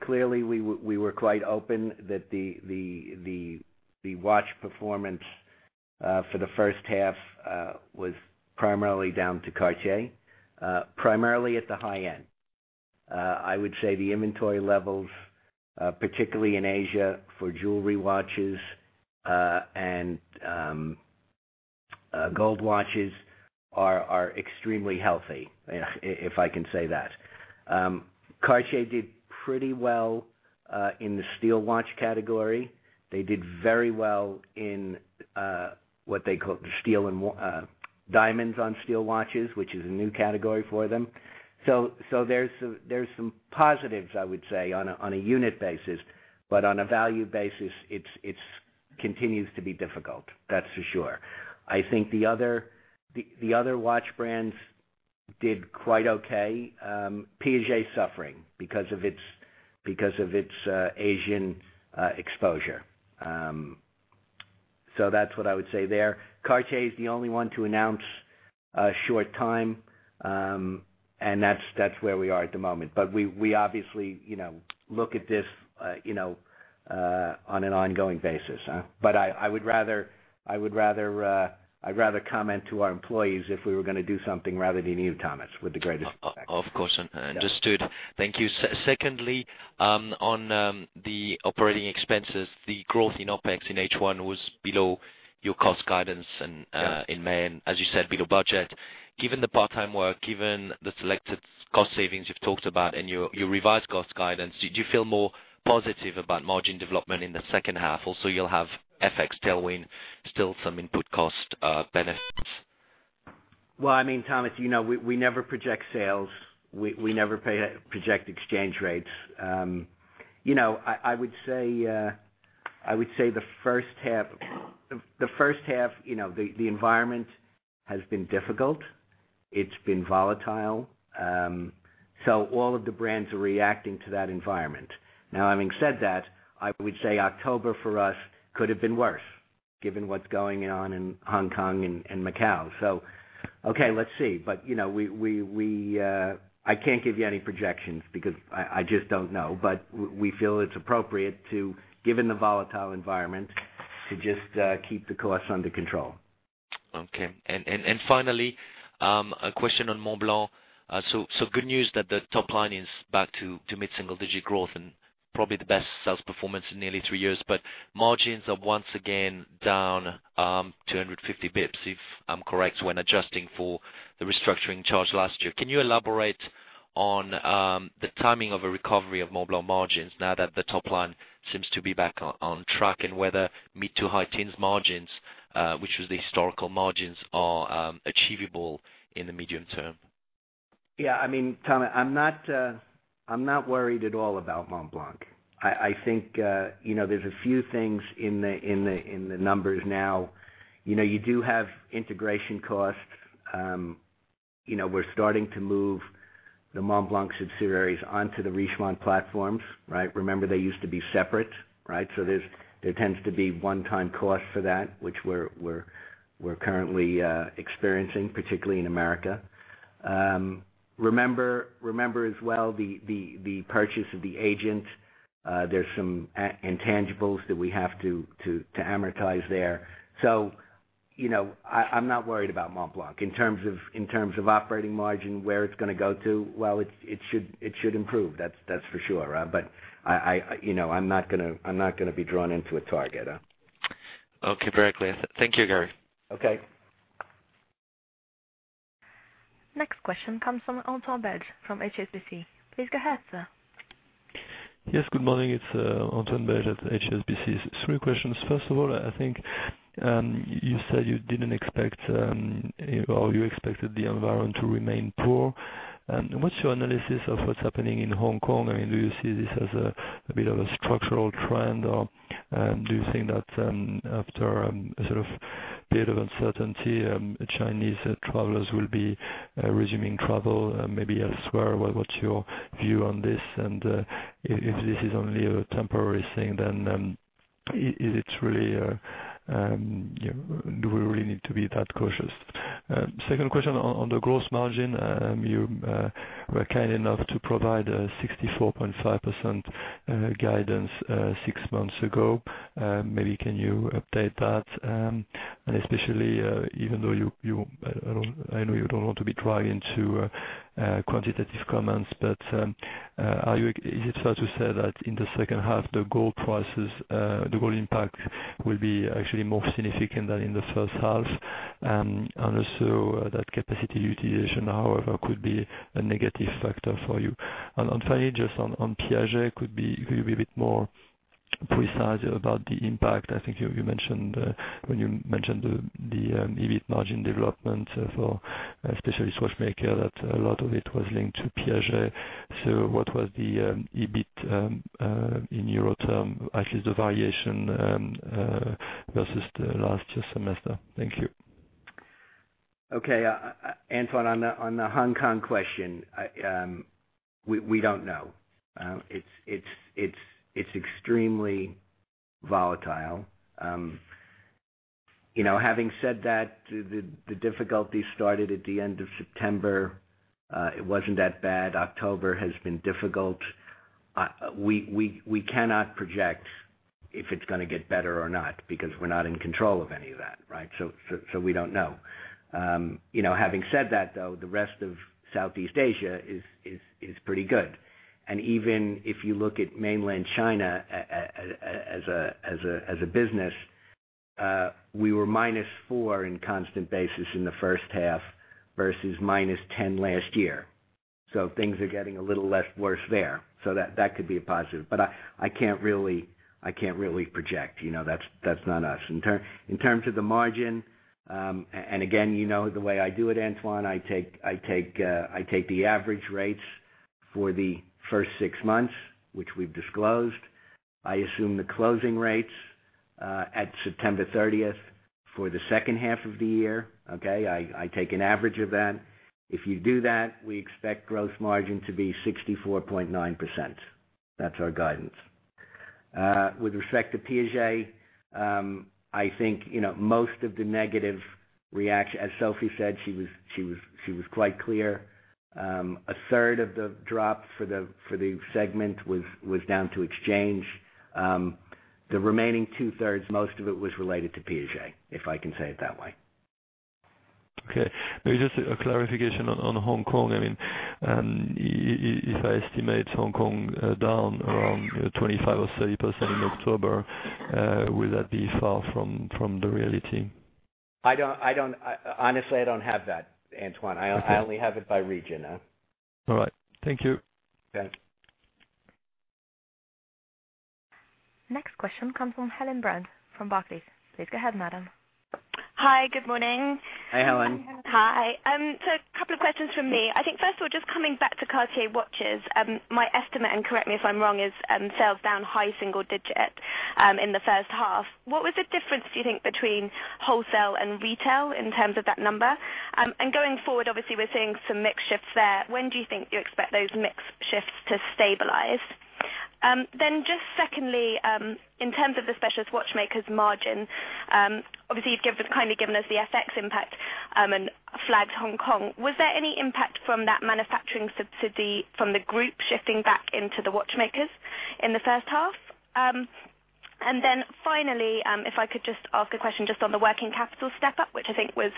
clearly, we were quite open that the watch performance for the first half was primarily down to Cartier, primarily at the high end. I would say the inventory levels, particularly in Asia for jewelry watches and gold watches, are extremely healthy, if I can say that. Cartier did pretty well in the steel watch category. They did very well in what they call diamonds on steel watches, which is a new category for them. There's some positives, I would say, on a unit basis, but on a value basis, it continues to be difficult. That's for sure. I think the other watch brands did quite okay. Piaget is suffering because of its Asian exposure. That's what I would say there. Cartier is the only one to announce short time, and that's where we are at the moment. We obviously look at this on an ongoing basis. I'd rather comment to our employees if we were going to do something rather than you, Thomas, with the greatest respect. Of course. Understood. Thank you. Secondly, on the operating expenses, the growth in OpEx in H1 was below your cost guidance in May, and as you said, below budget. Given the part-time work, given the selected cost savings you've talked about and your revised cost guidance, do you feel more positive about margin development in the second half? Also, you'll have FX tailwind, still some input cost benefits. Well, Thomas, we never project sales. We never project exchange rates. I would say the first half, the environment has been difficult. It's been volatile. All of the brands are reacting to that environment. Now, having said that, I would say October for us could have been worse given what's going on in Hong Kong and Macau. Okay, let's see. I can't give you any projections because I just don't know. We feel it's appropriate to, given the volatile environment, to just keep the costs under control. Okay. Finally, a question on Montblanc. Good news that the top line is back to mid-single digit growth and probably the best sales performance in nearly three years, but margins are once again down 250 basis points, if I'm correct, when adjusting for the restructuring charge last year. Can you elaborate on the timing of a recovery of Montblanc margins now that the top line seems to be back on track, and whether mid to high teens margins, which was the historical margins, are achievable in the medium term? Yeah. Thomas, I'm not worried at all about Montblanc. I think there's a few things in the numbers now. You do have integration costs. We're starting to move the Montblanc subsidiaries onto the Richemont platforms. Remember, they used to be separate. There tends to be one-time cost for that, which we're currently experiencing, particularly in America. Remember as well the purchase of the agent. There's some intangibles that we have to amortize there. I'm not worried about Montblanc. In terms of operating margin, where it's going to go to, well, it should improve, that's for sure. I'm not going to be drawn into a target. Okay. Very clear. Thank you, Gary. Okay. Next question comes from Antoine Belge from HSBC. Please go ahead, sir. Yes, good morning. It's Antoine Belge at HSBC. Three questions. First of all, I think you said you didn't expect or you expected the environment to remain poor. What's your analysis of what's happening in Hong Kong? Do you see this as a bit of a structural trend, or do you think that after a period of uncertainty, Chinese travelers will be resuming travel, maybe elsewhere? What's your view on this? If this is only a temporary thing, then do we really need to be that cautious? Second question on the gross margin. You were kind enough to provide a 64.5% guidance six months ago. Maybe can you update that? Especially, even though I know you don't want to be drawn into quantitative comments, but is it fair to say that in the second half, the gold impact will be actually more significant than in the first half? Also that capacity utilization, however, could be a negative factor for you. Finally, just on Piaget, could you be a bit more precise about the impact? I think when you mentioned the EBIT margin development for specialist watchmaker, that a lot of it was linked to Piaget. So what was the EBIT in EUR term, actually the variation versus the last semester? Thank you. Okay. Antoine, on the Hong Kong question, we don't know. It's extremely volatile. Having said that, the difficulty started at the end of September. It wasn't that bad. October has been difficult. We cannot project if it's going to get better or not because we're not in control of any of that. We don't know. Having said that, though, the rest of Southeast Asia is pretty good. Even if you look at mainland China as a business, we were -4% in constant basis in the first half versus -10% last year. Things are getting a little less worse there. That could be a positive. I can't really project. That's not us. In terms of the margin, and again, you know the way I do it, Antoine, I take the average rates for the first six months, which we've disclosed. I assume the closing rates at September 30th for the second half of the year. Okay? I take an average of that. If you do that, we expect gross margin to be 64.9%. That's our guidance. With respect to Piaget, I think, most of the negative reaction, as Sophie said, she was quite clear. A third of the drop for the segment was down to exchange. The remaining two-thirds, most of it was related to Piaget, if I can say it that way. Okay. Maybe just a clarification on Hong Kong. If I estimate Hong Kong down around 25% or 30% in October, will that be far from the reality? Honestly, I don't have that, Antoine. I only have it by region. All right. Thank you. Okay. Next question comes from Helen Brand from Barclays. Please go ahead, madam. Hi. Good morning. Hi, Helen. Hi. A couple of questions from me. I think first of all, just coming back to Cartier watches, my estimate, and correct me if I'm wrong, is sales down high single-digit in the first half. What was the difference, do you think, between wholesale and retail in terms of that number? Going forward, obviously, we're seeing some mix shifts there. When do you think you expect those mix shifts to stabilize? Just secondly, in terms of the specialist watchmaker's margin, obviously you've kindly given us the FX impact. Flagged Hong Kong. Was there any impact from that manufacturing subsidy from the group shifting back into the watchmakers in the first half? Finally, if I could just ask a question just on the working capital step-up, which I think was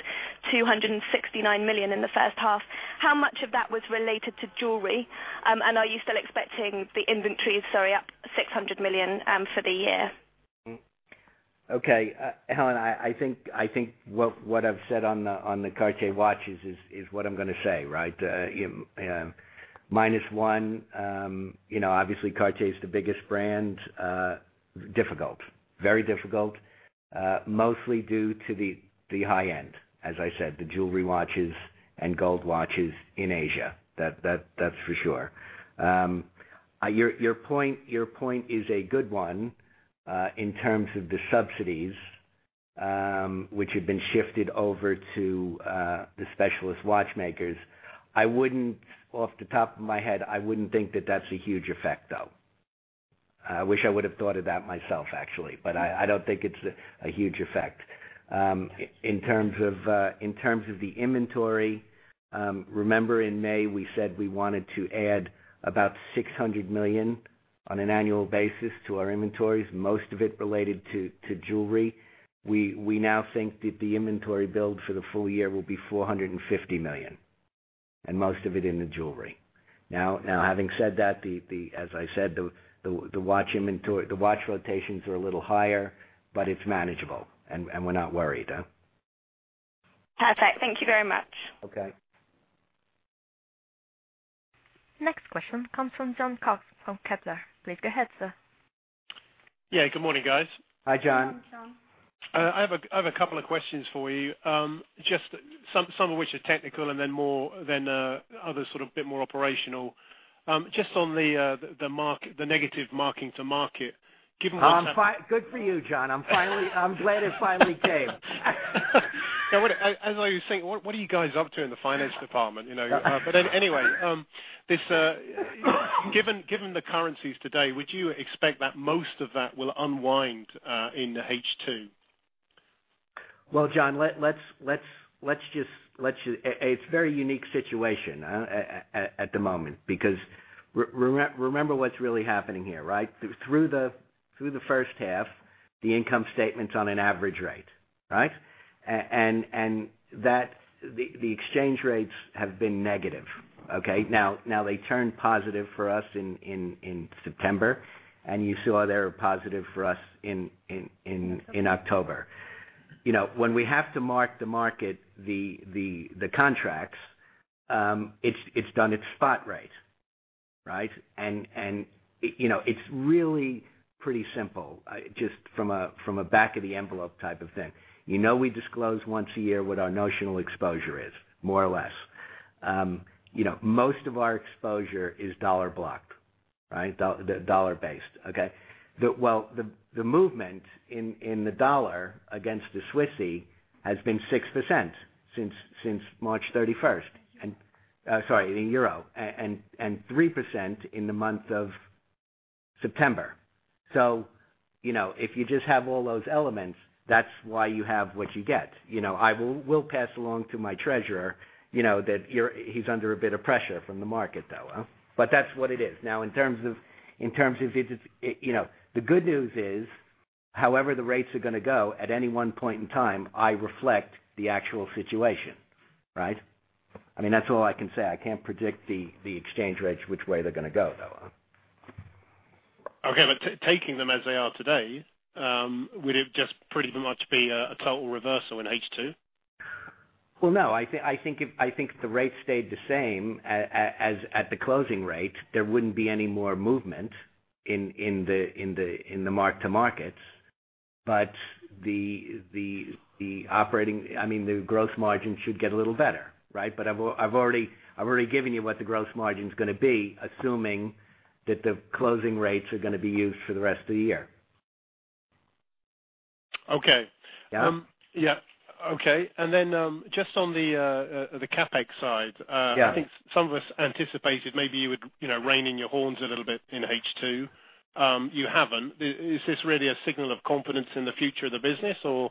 269 million in the first half. How much of that was related to jewelry? Are you still expecting the inventory, sorry, up 600 million for the year? Okay. Helen, I think what I've said on the Cartier watches is what I'm going to say. Minus one. Obviously Cartier is the biggest brand. Difficult. Very difficult. Mostly due to the high-end, as I said, the jewelry watches and gold watches in Asia. That's for sure. Your point is a good one in terms of the subsidies which have been shifted over to the specialist watchmakers. Off the top of my head, I wouldn't think that that's a huge effect, though. I wish I would have thought of that myself, actually. I don't think it's a huge effect. In terms of the inventory, remember in May we said we wanted to add about 600 million on an annual basis to our inventories, most of it related to jewelry. We now think that the inventory build for the full year will be 450 million, and most of it in the jewelry. Having said that, as I said, the watch rotations are a little higher, but it's manageable and we're not worried. Perfect. Thank you very much. Okay. Next question comes from Jon Cox from Kepler. Please go ahead, sir. Yeah, good morning, guys. Hi, Jon. Good morning, Jon. I have a couple of questions for you. Just some of which are technical and then others sort of a bit more operational. Just on the negative marking to market, given what's- Good for you, Jon. I'm glad it finally came. As I was saying, what are you guys up to in the finance department? Anyway, given the currencies today, would you expect that most of that will unwind in H2? Well, Jon, it's a very unique situation at the moment because remember what's really happening here. Through the first half, the income statement's on an average rate. The exchange rates have been negative. Now they turn positive for us in September, and you saw they were positive for us in October. When we have to mark the market, the contracts, it's done at spot rate. It's really pretty simple. Just from a back-of-the-envelope type of thing. You know we disclose once a year what our notional exposure is, more or less. Most of our exposure is dollar-blocked. Dollar-based. The movement in the dollar against the Swissie has been 6% since March 31st. Sorry, the euro. 3% in the month of September. If you just have all those elements, that's why you have what you get. I will pass along to my treasurer that he's under a bit of pressure from the market, though. That's what it is. The good news is, however the rates are gonna go at any one point in time, I reflect the actual situation. That's all I can say. I can't predict the exchange rates, which way they're gonna go, though. Okay. Taking them as they are today, would it just pretty much be a total reversal in H2? Well, no, I think if the rate stayed the same at the closing rate, there wouldn't be any more movement in the mark-to-markets. The gross margin should get a little better. I've already given you what the gross margin's gonna be, assuming that the closing rates are gonna be used for the rest of the year. Okay. Yeah. Okay. Just on the CapEx side. Yeah I think some of us anticipated maybe you would rein in your horns a little bit in H2. You haven't. Is this really a signal of confidence in the future of the business or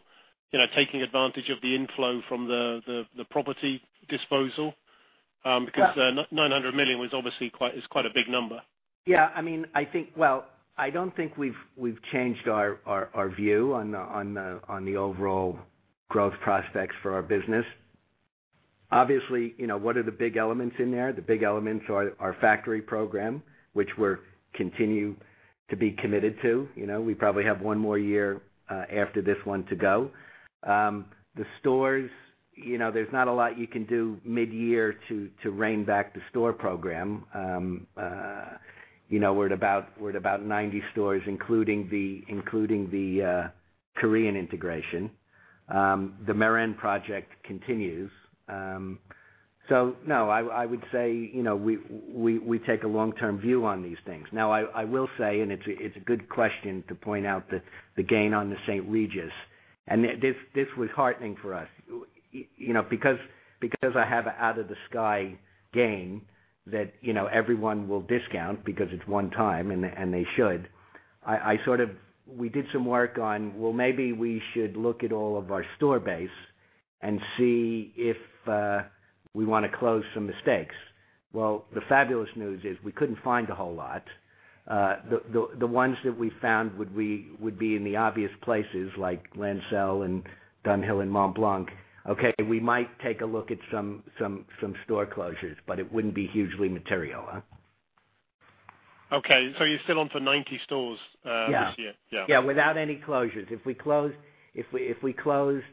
taking advantage of the inflow from the property disposal? 900 million is quite a big number. I don't think we've changed our view on the overall growth prospects for our business. Obviously, what are the big elements in there? The big elements are our factory program, which we continue to be committed to. We probably have one more year after this one to go. The stores. There's not a lot you can do mid-year to rein back the store program. We're at about 90 stores, including the Korean integration. The Meyrin project continues. No, I would say we take a long-term view on these things. Now, I will say, and it's a good question to point out the gain on the St. Regis. This was heartening for us. I have a out-of-the-sky gain that everyone will discount because it's one-time, and they should. We did some work on, well, maybe we should look at all of our store base and see if we want to close some mistakes. Well, the fabulous news is we couldn't find a whole lot. The ones that we found would be in the obvious places like Lancel and dunhill and Montblanc. Okay, we might take a look at some store closures, but it wouldn't be hugely material. Okay, you're still on for 90 stores this year? Yeah. Yeah. Yeah, without any closures. If we closed,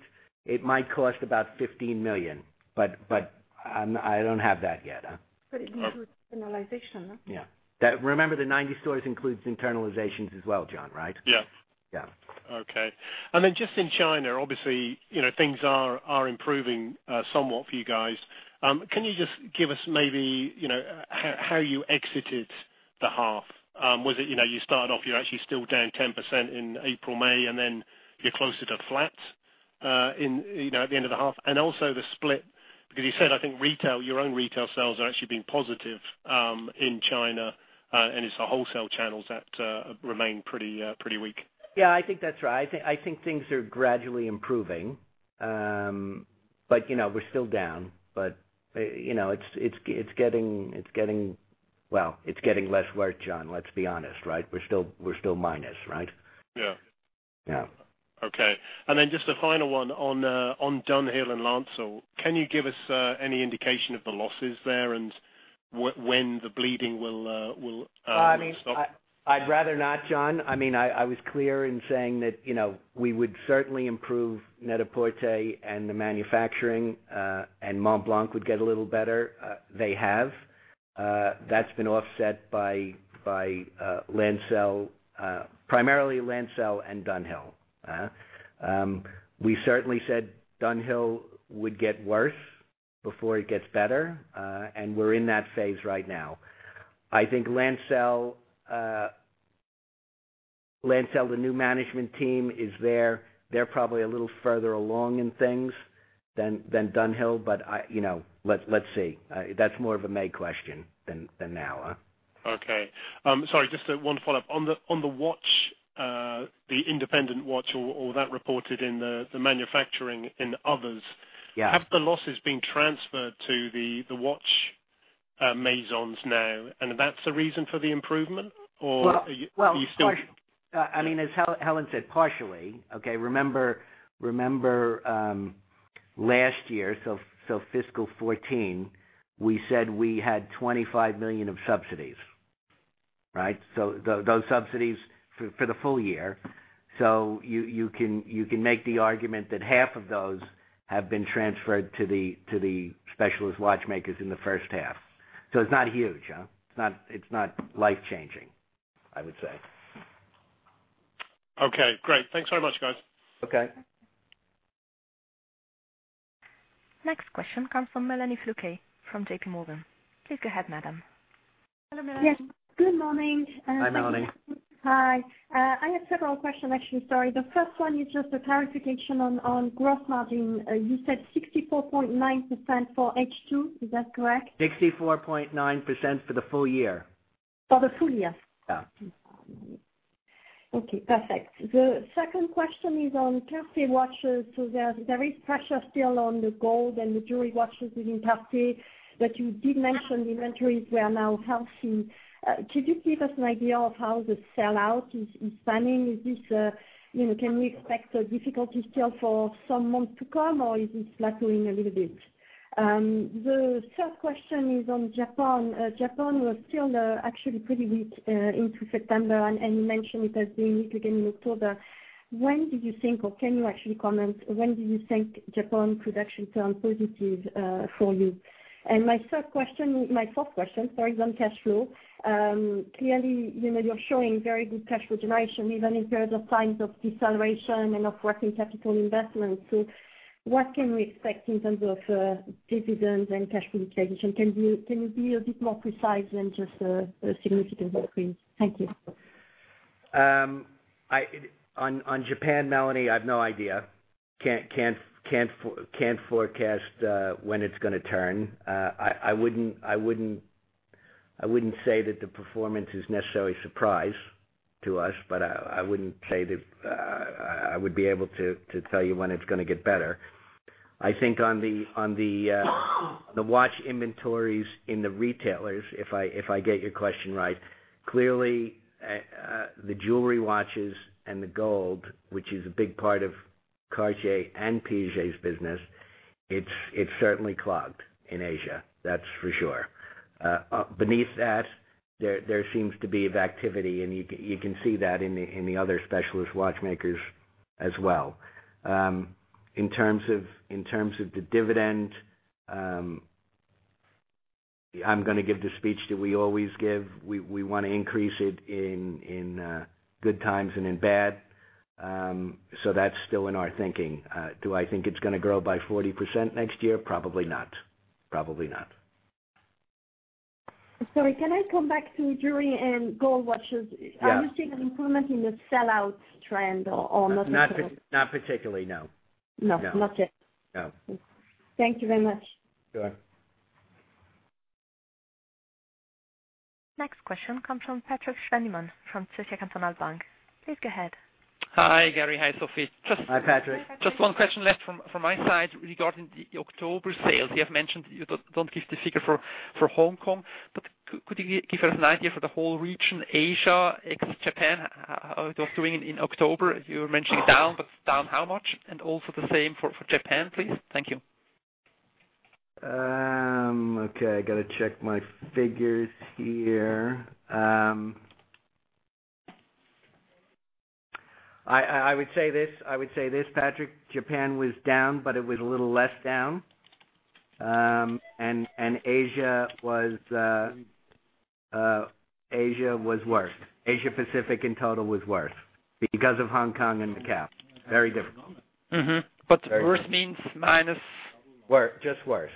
it might cost about 15 million. I don't have that yet. It includes internalization, right? Yeah. Remember, the 90 stores includes internalizations as well, Jon, right? Yeah. Yeah. Just in China, obviously, things are improving somewhat for you guys. Can you just give us maybe how you exited the half? Was it you started off, you're actually still down 10% in April, May, and then you're closer to flat at the end of the half? Also the split, because you said, I think, your own retail sales are actually being positive in China, and it's the wholesale channels that remain pretty weak. Yeah, I think that's right. I think things are gradually improving. We're still down. It's getting less work, Jon, let's be honest, right? We're still minus, right? Yeah. Yeah. Okay. Just a final one on dunhill and Lancel. Can you give us any indication of the losses there and when the bleeding will stop? I'd rather not, Jon. I was clear in saying that we would certainly improve Net-a-Porter and the manufacturing, Montblanc would get a little better. They have. That's been offset by primarily Lancel and dunhill. We certainly said dunhill would get worse before it gets better. We're in that phase right now. I think Lancel, the new management team is there. They're probably a little further along in things than dunhill, let's see. That's more of a May question than now. Okay. Sorry, just one follow-up. On the watch, the independent watch or that reported in the manufacturing in others. Yeah Have the losses been transferred to the watch Maisons now, and that's the reason for the improvement? Or are you still. Well, as Helen said, partially. Okay, remember last year, so fiscal 2014, we said we had 25 million of subsidies. Right? Those subsidies for the full year. You can make the argument that half of those have been transferred to the specialist watchmakers in the first half. It's not huge. It's not life-changing, I would say. Okay, great. Thanks very much, guys. Okay. Next question comes from Melanie Flouquet from JP Morgan. Please go ahead, madam. Hello, Melanie. Yes. Good morning. Hi, Melanie. Hi. I have several questions, actually. Sorry. The first one is just a clarification on gross margin. You said 64.9% for H2, is that correct? 64.9% for the full year. For the full year? Yeah. Okay, perfect. The second question is on Cartier watches. There is pressure still on the gold and the jewelry watches within Cartier, but you did mention inventories were now healthy. Could you give us an idea of how the sell-out is panning? Can we expect a difficulty still for some months to come, or is it flattening a little bit? The third question is on Japan. Japan was still actually pretty weak into September, and you mentioned it has been weak again in October. When did you think, or can you actually comment, when do you think Japan could actually turn positive for you? My fourth question is on cash flow. Clearly, you're showing very good cash flow generation, even in periods of times of deceleration and of working capital investment. What can we expect in terms of dividends and cash flow generation? Can you be a bit more precise than just a significant increase? Thank you. On Japan, Melanie, I have no idea. Can't forecast when it's going to turn. I wouldn't say that the performance is necessarily a surprise to us, but I wouldn't be able to tell you when it's going to get better. I think on the watch inventories in the retailers, if I get your question right. Clearly, the jewelry watches and the gold, which is a big part of Cartier and Piaget's business, it's certainly clogged in Asia. That's for sure. Beneath that, there seems to be activity, and you can see that in the other specialist watchmakers as well. In terms of the dividend, I'm going to give the speech that we always give. We want to increase it in good times and in bad. That's still in our thinking. Do I think it's going to grow by 40% next year? Probably not. Sorry, can I come back to jewelry and gold watches? Yeah. Are you seeing an improvement in the sell-out trend or not at all? Not particularly, no. No. Not yet. No. Thank you very much. Sure. Next question comes from Patrik Schwendimann from Zürcher Kantonalbank. Please go ahead. Hi Gary. Hi Sophie. Hi Patrik. Just one question left from my side regarding the October sales. You have mentioned you don't give the figure for Hong Kong, but could you give us an idea for the whole region, Asia ex Japan, how it was doing in October? You were mentioning down, but down how much? Also the same for Japan, please. Thank you. Okay, I got to check my figures here. I would say this, Patrik: Japan was down, but it was a little less down. Asia was worse. Asia Pacific in total was worse because of Hong Kong and Macau. Very different. worse means minus? Just worse.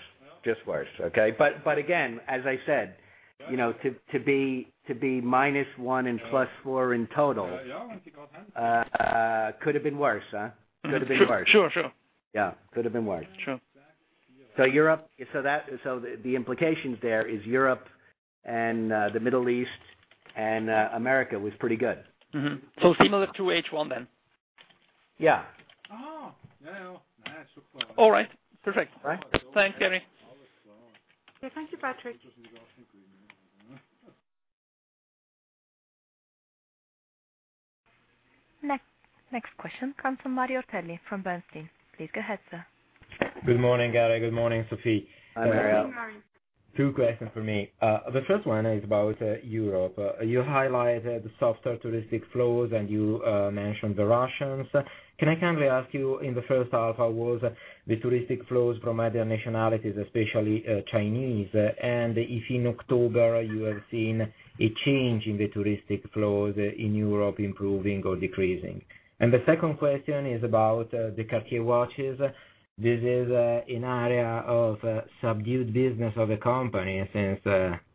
Okay. Again, as I said, to be -1 and +4 in total could have been worse, huh? Sure. Yeah. Could have been worse. Sure. The implications there is Europe and the Middle East and America was pretty good. Mm-hmm. Similar to H1 then? Yeah. All right. Perfect. All right. Thanks, Gary. Yeah. Thank you, Patrik. Next question comes from Mario Ortelli from Bernstein. Please go ahead, sir. Good morning, Gary. Good morning, Sophie. Hi, Mario. Good morning. Two questions from me. The first one is about Europe. You highlighted softer touristic flows, and you mentioned the Russians. Can I kindly ask you, in the first half, how was the touristic flows from other nationalities, especially Chinese? If in October, you have seen a change in the touristic flows in Europe improving or decreasing? The second question is about the Cartier watches. This is an area of subdued business of the company since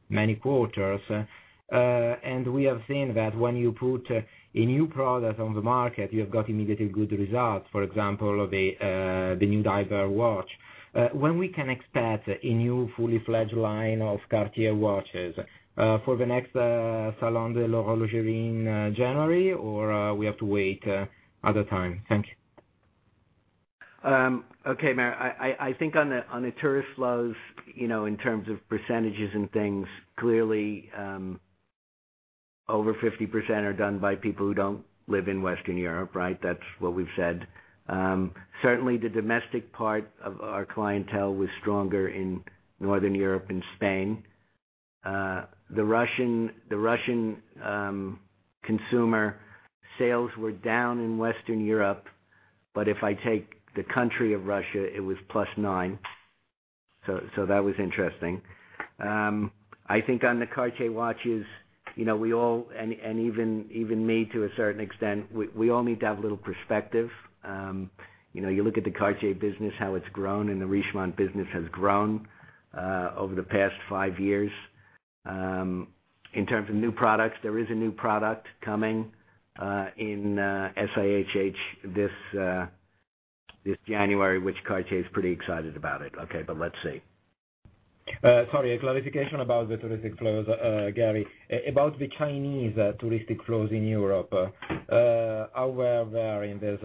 many quarters. We have seen that when you put a new product on the market, you have got immediately good results. For example, the new diver watch. When we can expect a new fully-fledged line of Cartier watches. For the next Salon de la Haute Horlogerie in January, or we have to wait other time? Thank you. Okay, Mario. I think on the tourist flows, in terms of percentages and things, clearly over 50% are done by people who don't live in Western Europe, right? That's what we've said. Certainly, the domestic part of our clientele was stronger in Northern Europe and Spain. The Russian consumer sales were down in Western Europe, but if I take the country of Russia, it was plus nine. That was interesting. I think on the Cartier watches, and even me to a certain extent, we all need to have a little perspective. You look at the Cartier business, how it's grown, and the Richemont business has grown over the past five years. In terms of new products, there is a new product coming in SIHH this January, which Cartier is pretty excited about it. Okay, let's see. Sorry, a clarification about the touristic flows, Gary. About the Chinese touristic flows in Europe, how were they in this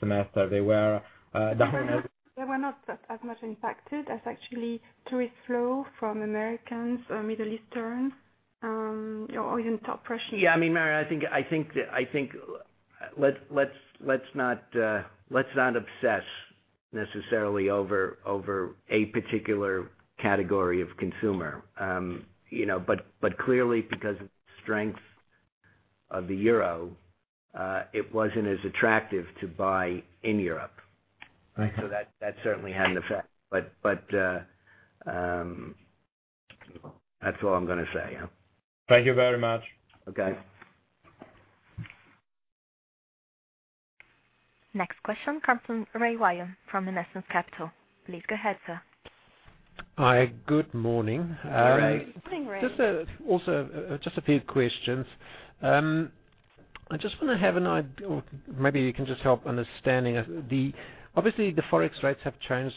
semester? They were down as. They were not as much impacted as actually tourist flow from Americans, Middle Eastern, or even top Russians. Yeah, Mario, I think let's not obsess necessarily over a particular category of consumer. Clearly because of the strength of the euro, it wasn't as attractive to buy in Europe. Okay. That certainly had an effect. That's all I'm gonna say, yeah. Thank you very much. Okay. Next question comes from Rey Wium from Investec Capital. Please go ahead, sir. Hi. Good morning. Hey, Rey. Morning, Rey. Just a few questions. I just want to have an idea, or maybe you can just help understanding. The Forex rates have changed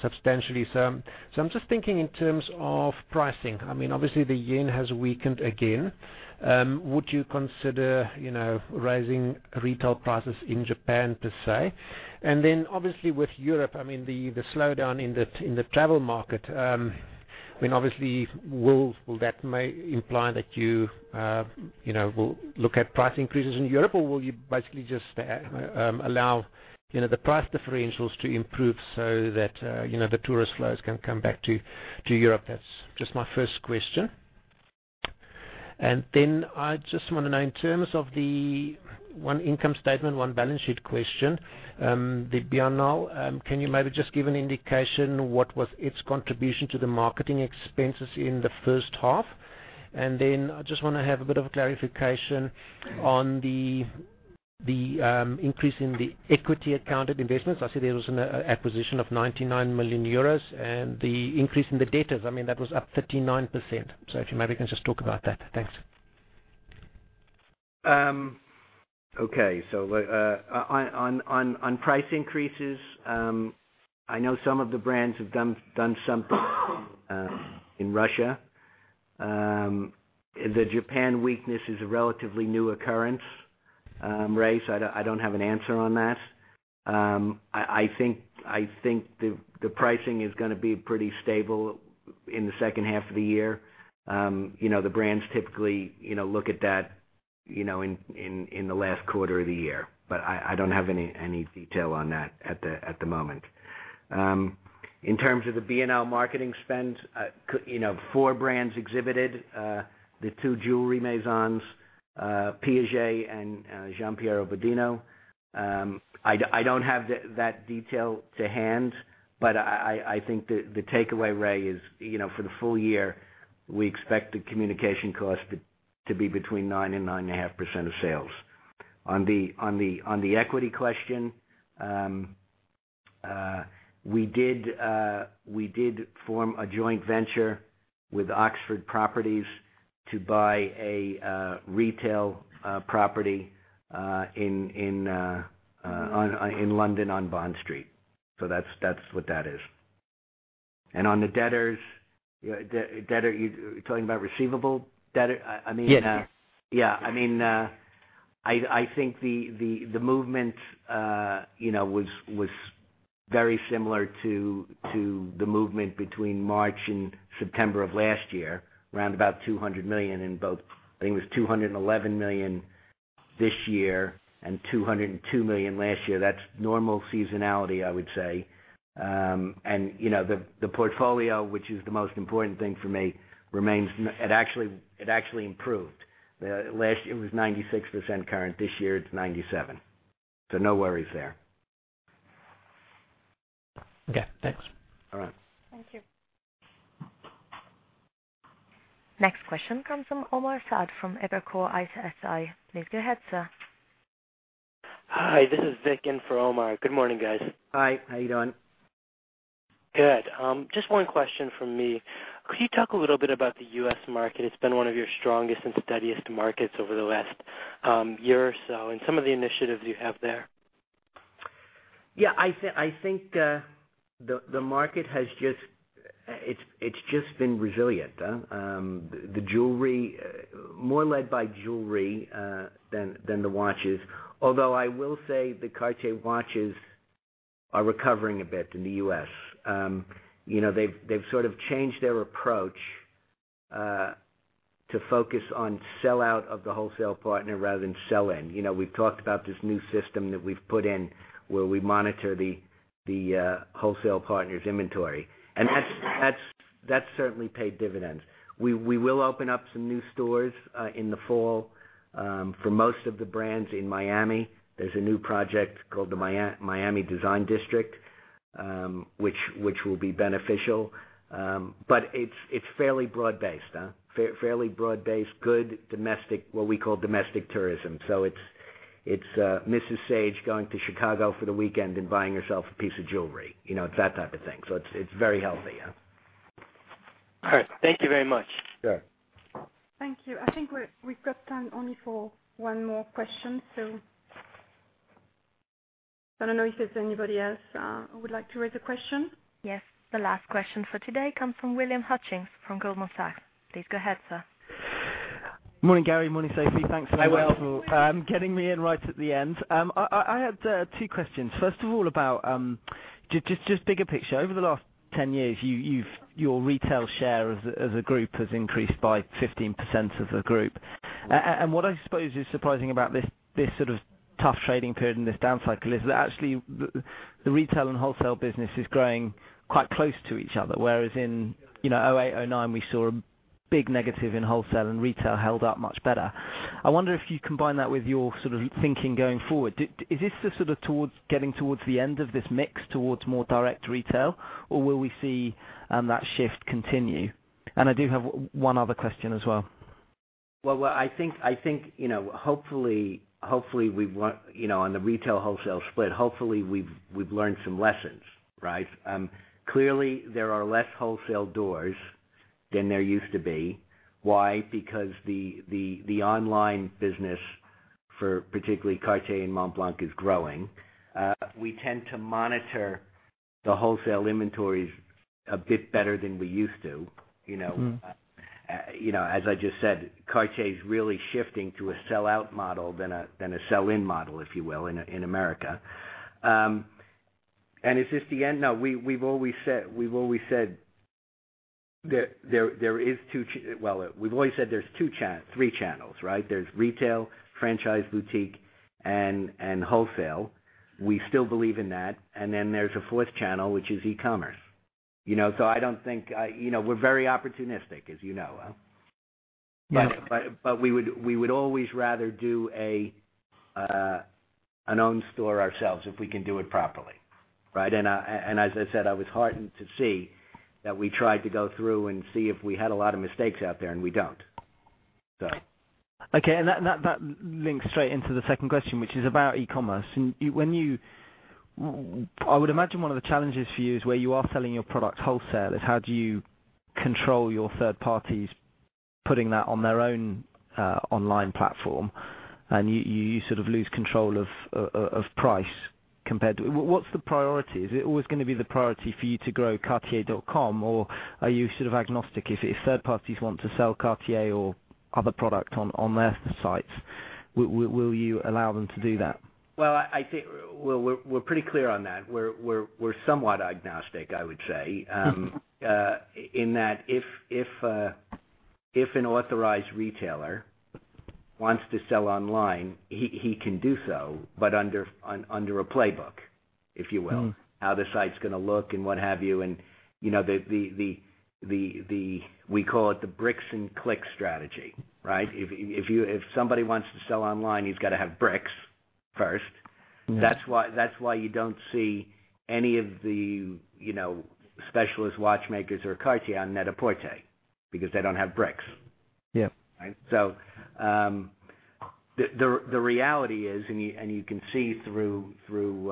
substantially. I'm just thinking in terms of pricing. The yen has weakened again. Would you consider raising retail prices in Japan, per se? With Europe, the slowdown in the travel market. Will that may imply that you will look at price increases in Europe, or will you basically just allow the price differentials to improve so that the tourist flows can come back to Europe? That's just my first question. I just want to know in terms of the one income statement, one balance sheet question. The Biennale, can you maybe just give an indication what was its contribution to the marketing expenses in the first half? I just want to have a bit of a clarification on the increase in the equity accounted investments. I see there was an acquisition of 99 million euros, and the increase in the debtors, that was up 39%. If you maybe can just talk about that. Thanks. Okay. On price increases, I know some of the brands have done something in Russia. The Japan weakness is a relatively new occurrence, Rey, so I don't have an answer on that. I think the pricing is going to be pretty stable in the second half of the year. The brands typically look at that in the last quarter of the year, but I don't have any detail on that at the moment. In terms of the Biennale marketing spend, four brands exhibited. The two jewelry Maisons, Piaget and Giampiero Bodino. I don't have that detail to hand, but I think the takeaway, Rey, is for the full year, we expect the communication cost to be between 9% and 9.5% of sales. On the equity question, we did form a joint venture with Oxford Properties to buy a retail property in London on Bond Street. That's what that is. On the debtors, you're talking about receivable debtor? I mean- Yes. The movement was very similar to the movement between March and September of last year, around about 200 million in both. I think it was 211 million this year and 202 million last year. That's normal seasonality, I would say. The portfolio, which is the most important thing for me, it actually improved. Last year it was 96% current. This year it's 97%. No worries there. Okay, thanks. All right. Thank you. Next question comes from Omar Saad from Evercore ISI. Please go ahead, sir. Hi, this is Vic in for Omar. Good morning, guys. Hi. How are you doing? Good. Just one question from me. Could you talk a little bit about the U.S. market? It's been one of your strongest and steadiest markets over the last year or so, and some of the initiatives you have there. Yeah, I think the market has just been resilient. More led by jewelry than the watches. Although I will say the Cartier watches are recovering a bit in the U.S. They've sort of changed their approach, to focus on sell-out of the wholesale partner rather than sell-in. We've talked about this new system that we've put in where we monitor the wholesale partner's inventory. That's certainly paid dividends. We will open up some new stores in the fall. For most of the brands in Miami, there's a new project called the Miami Design District, which will be beneficial. It's fairly broad-based. Good domestic, what we call domestic tourism. It's Mrs. Saage going to Chicago for the weekend and buying herself a piece of jewelry. It's that type of thing. It's very healthy. All right. Thank you very much. Sure. Thank you. I think we've got time only for one more question, I don't know if there's anybody else who would like to raise a question. Yes. The last question for today comes from William Hutchings from Goldman Sachs. Please go ahead, sir. Morning, Gary. Morning, Sophie. Thanks very much. Hi, Will. getting me in right at the end. I had two questions. First of all, about just bigger picture. Over the last 10 years, your retail share as a group has increased by 15% of the group. What I suppose is surprising about this sort of tough trading period and this down cycle is that actually, the retail and wholesale business is growing quite close to each other, whereas in 2008, 2009, we saw a big negative in wholesale and retail held up much better. I wonder if you combine that with your thinking going forward. Is this getting towards the end of this mix, towards more direct retail, or will we see that shift continue? I do have one other question as well. Well, I think, on the retail wholesale split, hopefully we've learned some lessons, right? Clearly, there are less wholesale doors than there used to be. Why? Because the online business for particularly Cartier and Montblanc is growing. We tend to monitor the wholesale inventories a bit better than we used to. As I just said, Cartier is really shifting to a sellout model than a sell-in model, if you will, in America. Is this the end? No, we've always said there's three channels, right? There's retail, franchise boutique and wholesale. We still believe in that. Then there's a fourth channel, which is e-commerce. I don't think we're very opportunistic, as you know. Yes. We would always rather do an own store ourselves if we can do it properly. Right? As I said, I was heartened to see that we tried to go through and see if we had a lot of mistakes out there, and we don't. Okay. That links straight into the second question, which is about e-commerce. I would imagine one of the challenges for you is where you are selling your product wholesale is how do you control your third parties putting that on their own online platform, and you sort of lose control of price compared to what's the priority? Is it always going to be the priority for you to grow cartier.com, or are you sort of agnostic? If third parties want to sell Cartier or other product on their sites, will you allow them to do that? Well, I think, we're pretty clear on that. We're somewhat agnostic, I would say. In that if an authorized retailer wants to sell online, he can do so, but under a playbook, if you will. How the site's going to look and what have you. We call it the bricks and clicks strategy. If somebody wants to sell online, you've got to have bricks first. That's why you don't see any of the specialist watchmakers or Cartier on Net-a-Porter, because they don't have bricks. Yeah. The reality is, and you can see through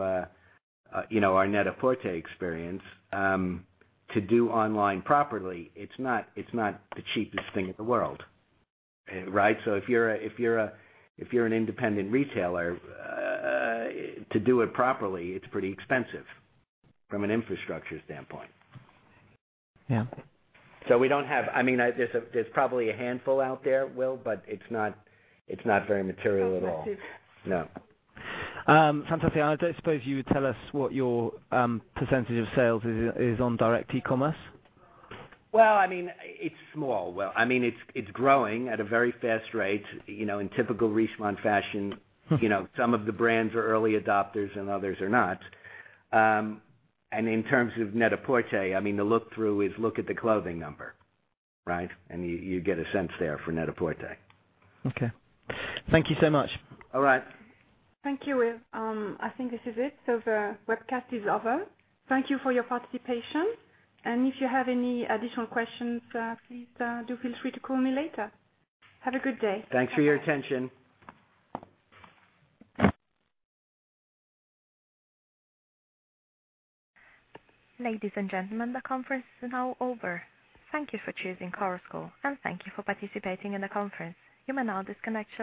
our Net-a-Porter experience, to do online properly, it's not the cheapest thing in the world. If you're an independent retailer, to do it properly, it's pretty expensive from an infrastructure standpoint. Yeah. We don't have, there's probably a handful out there, Will, but it's not very material at all. Not massive. No. Fantastic. I don't suppose you would tell us what your percentage of sales is on direct e-commerce? Well, it's small, Will. It's growing at a very fast rate, in typical Richemont fashion. In terms of Net-a-Porter, the look-through is look at the clothing number, and you get a sense there for Net-a-Porter. Okay. Thank you so much. All right. Thank you, Will. I think this is it. The webcast is over. Thank you for your participation. If you have any additional questions, please do feel free to call me later. Have a good day. Thanks for your attention. Ladies and gentlemen, the conference is now over. Thank you for choosing Chorus Call. Thank you for participating in the conference. You may now disconnect your lines.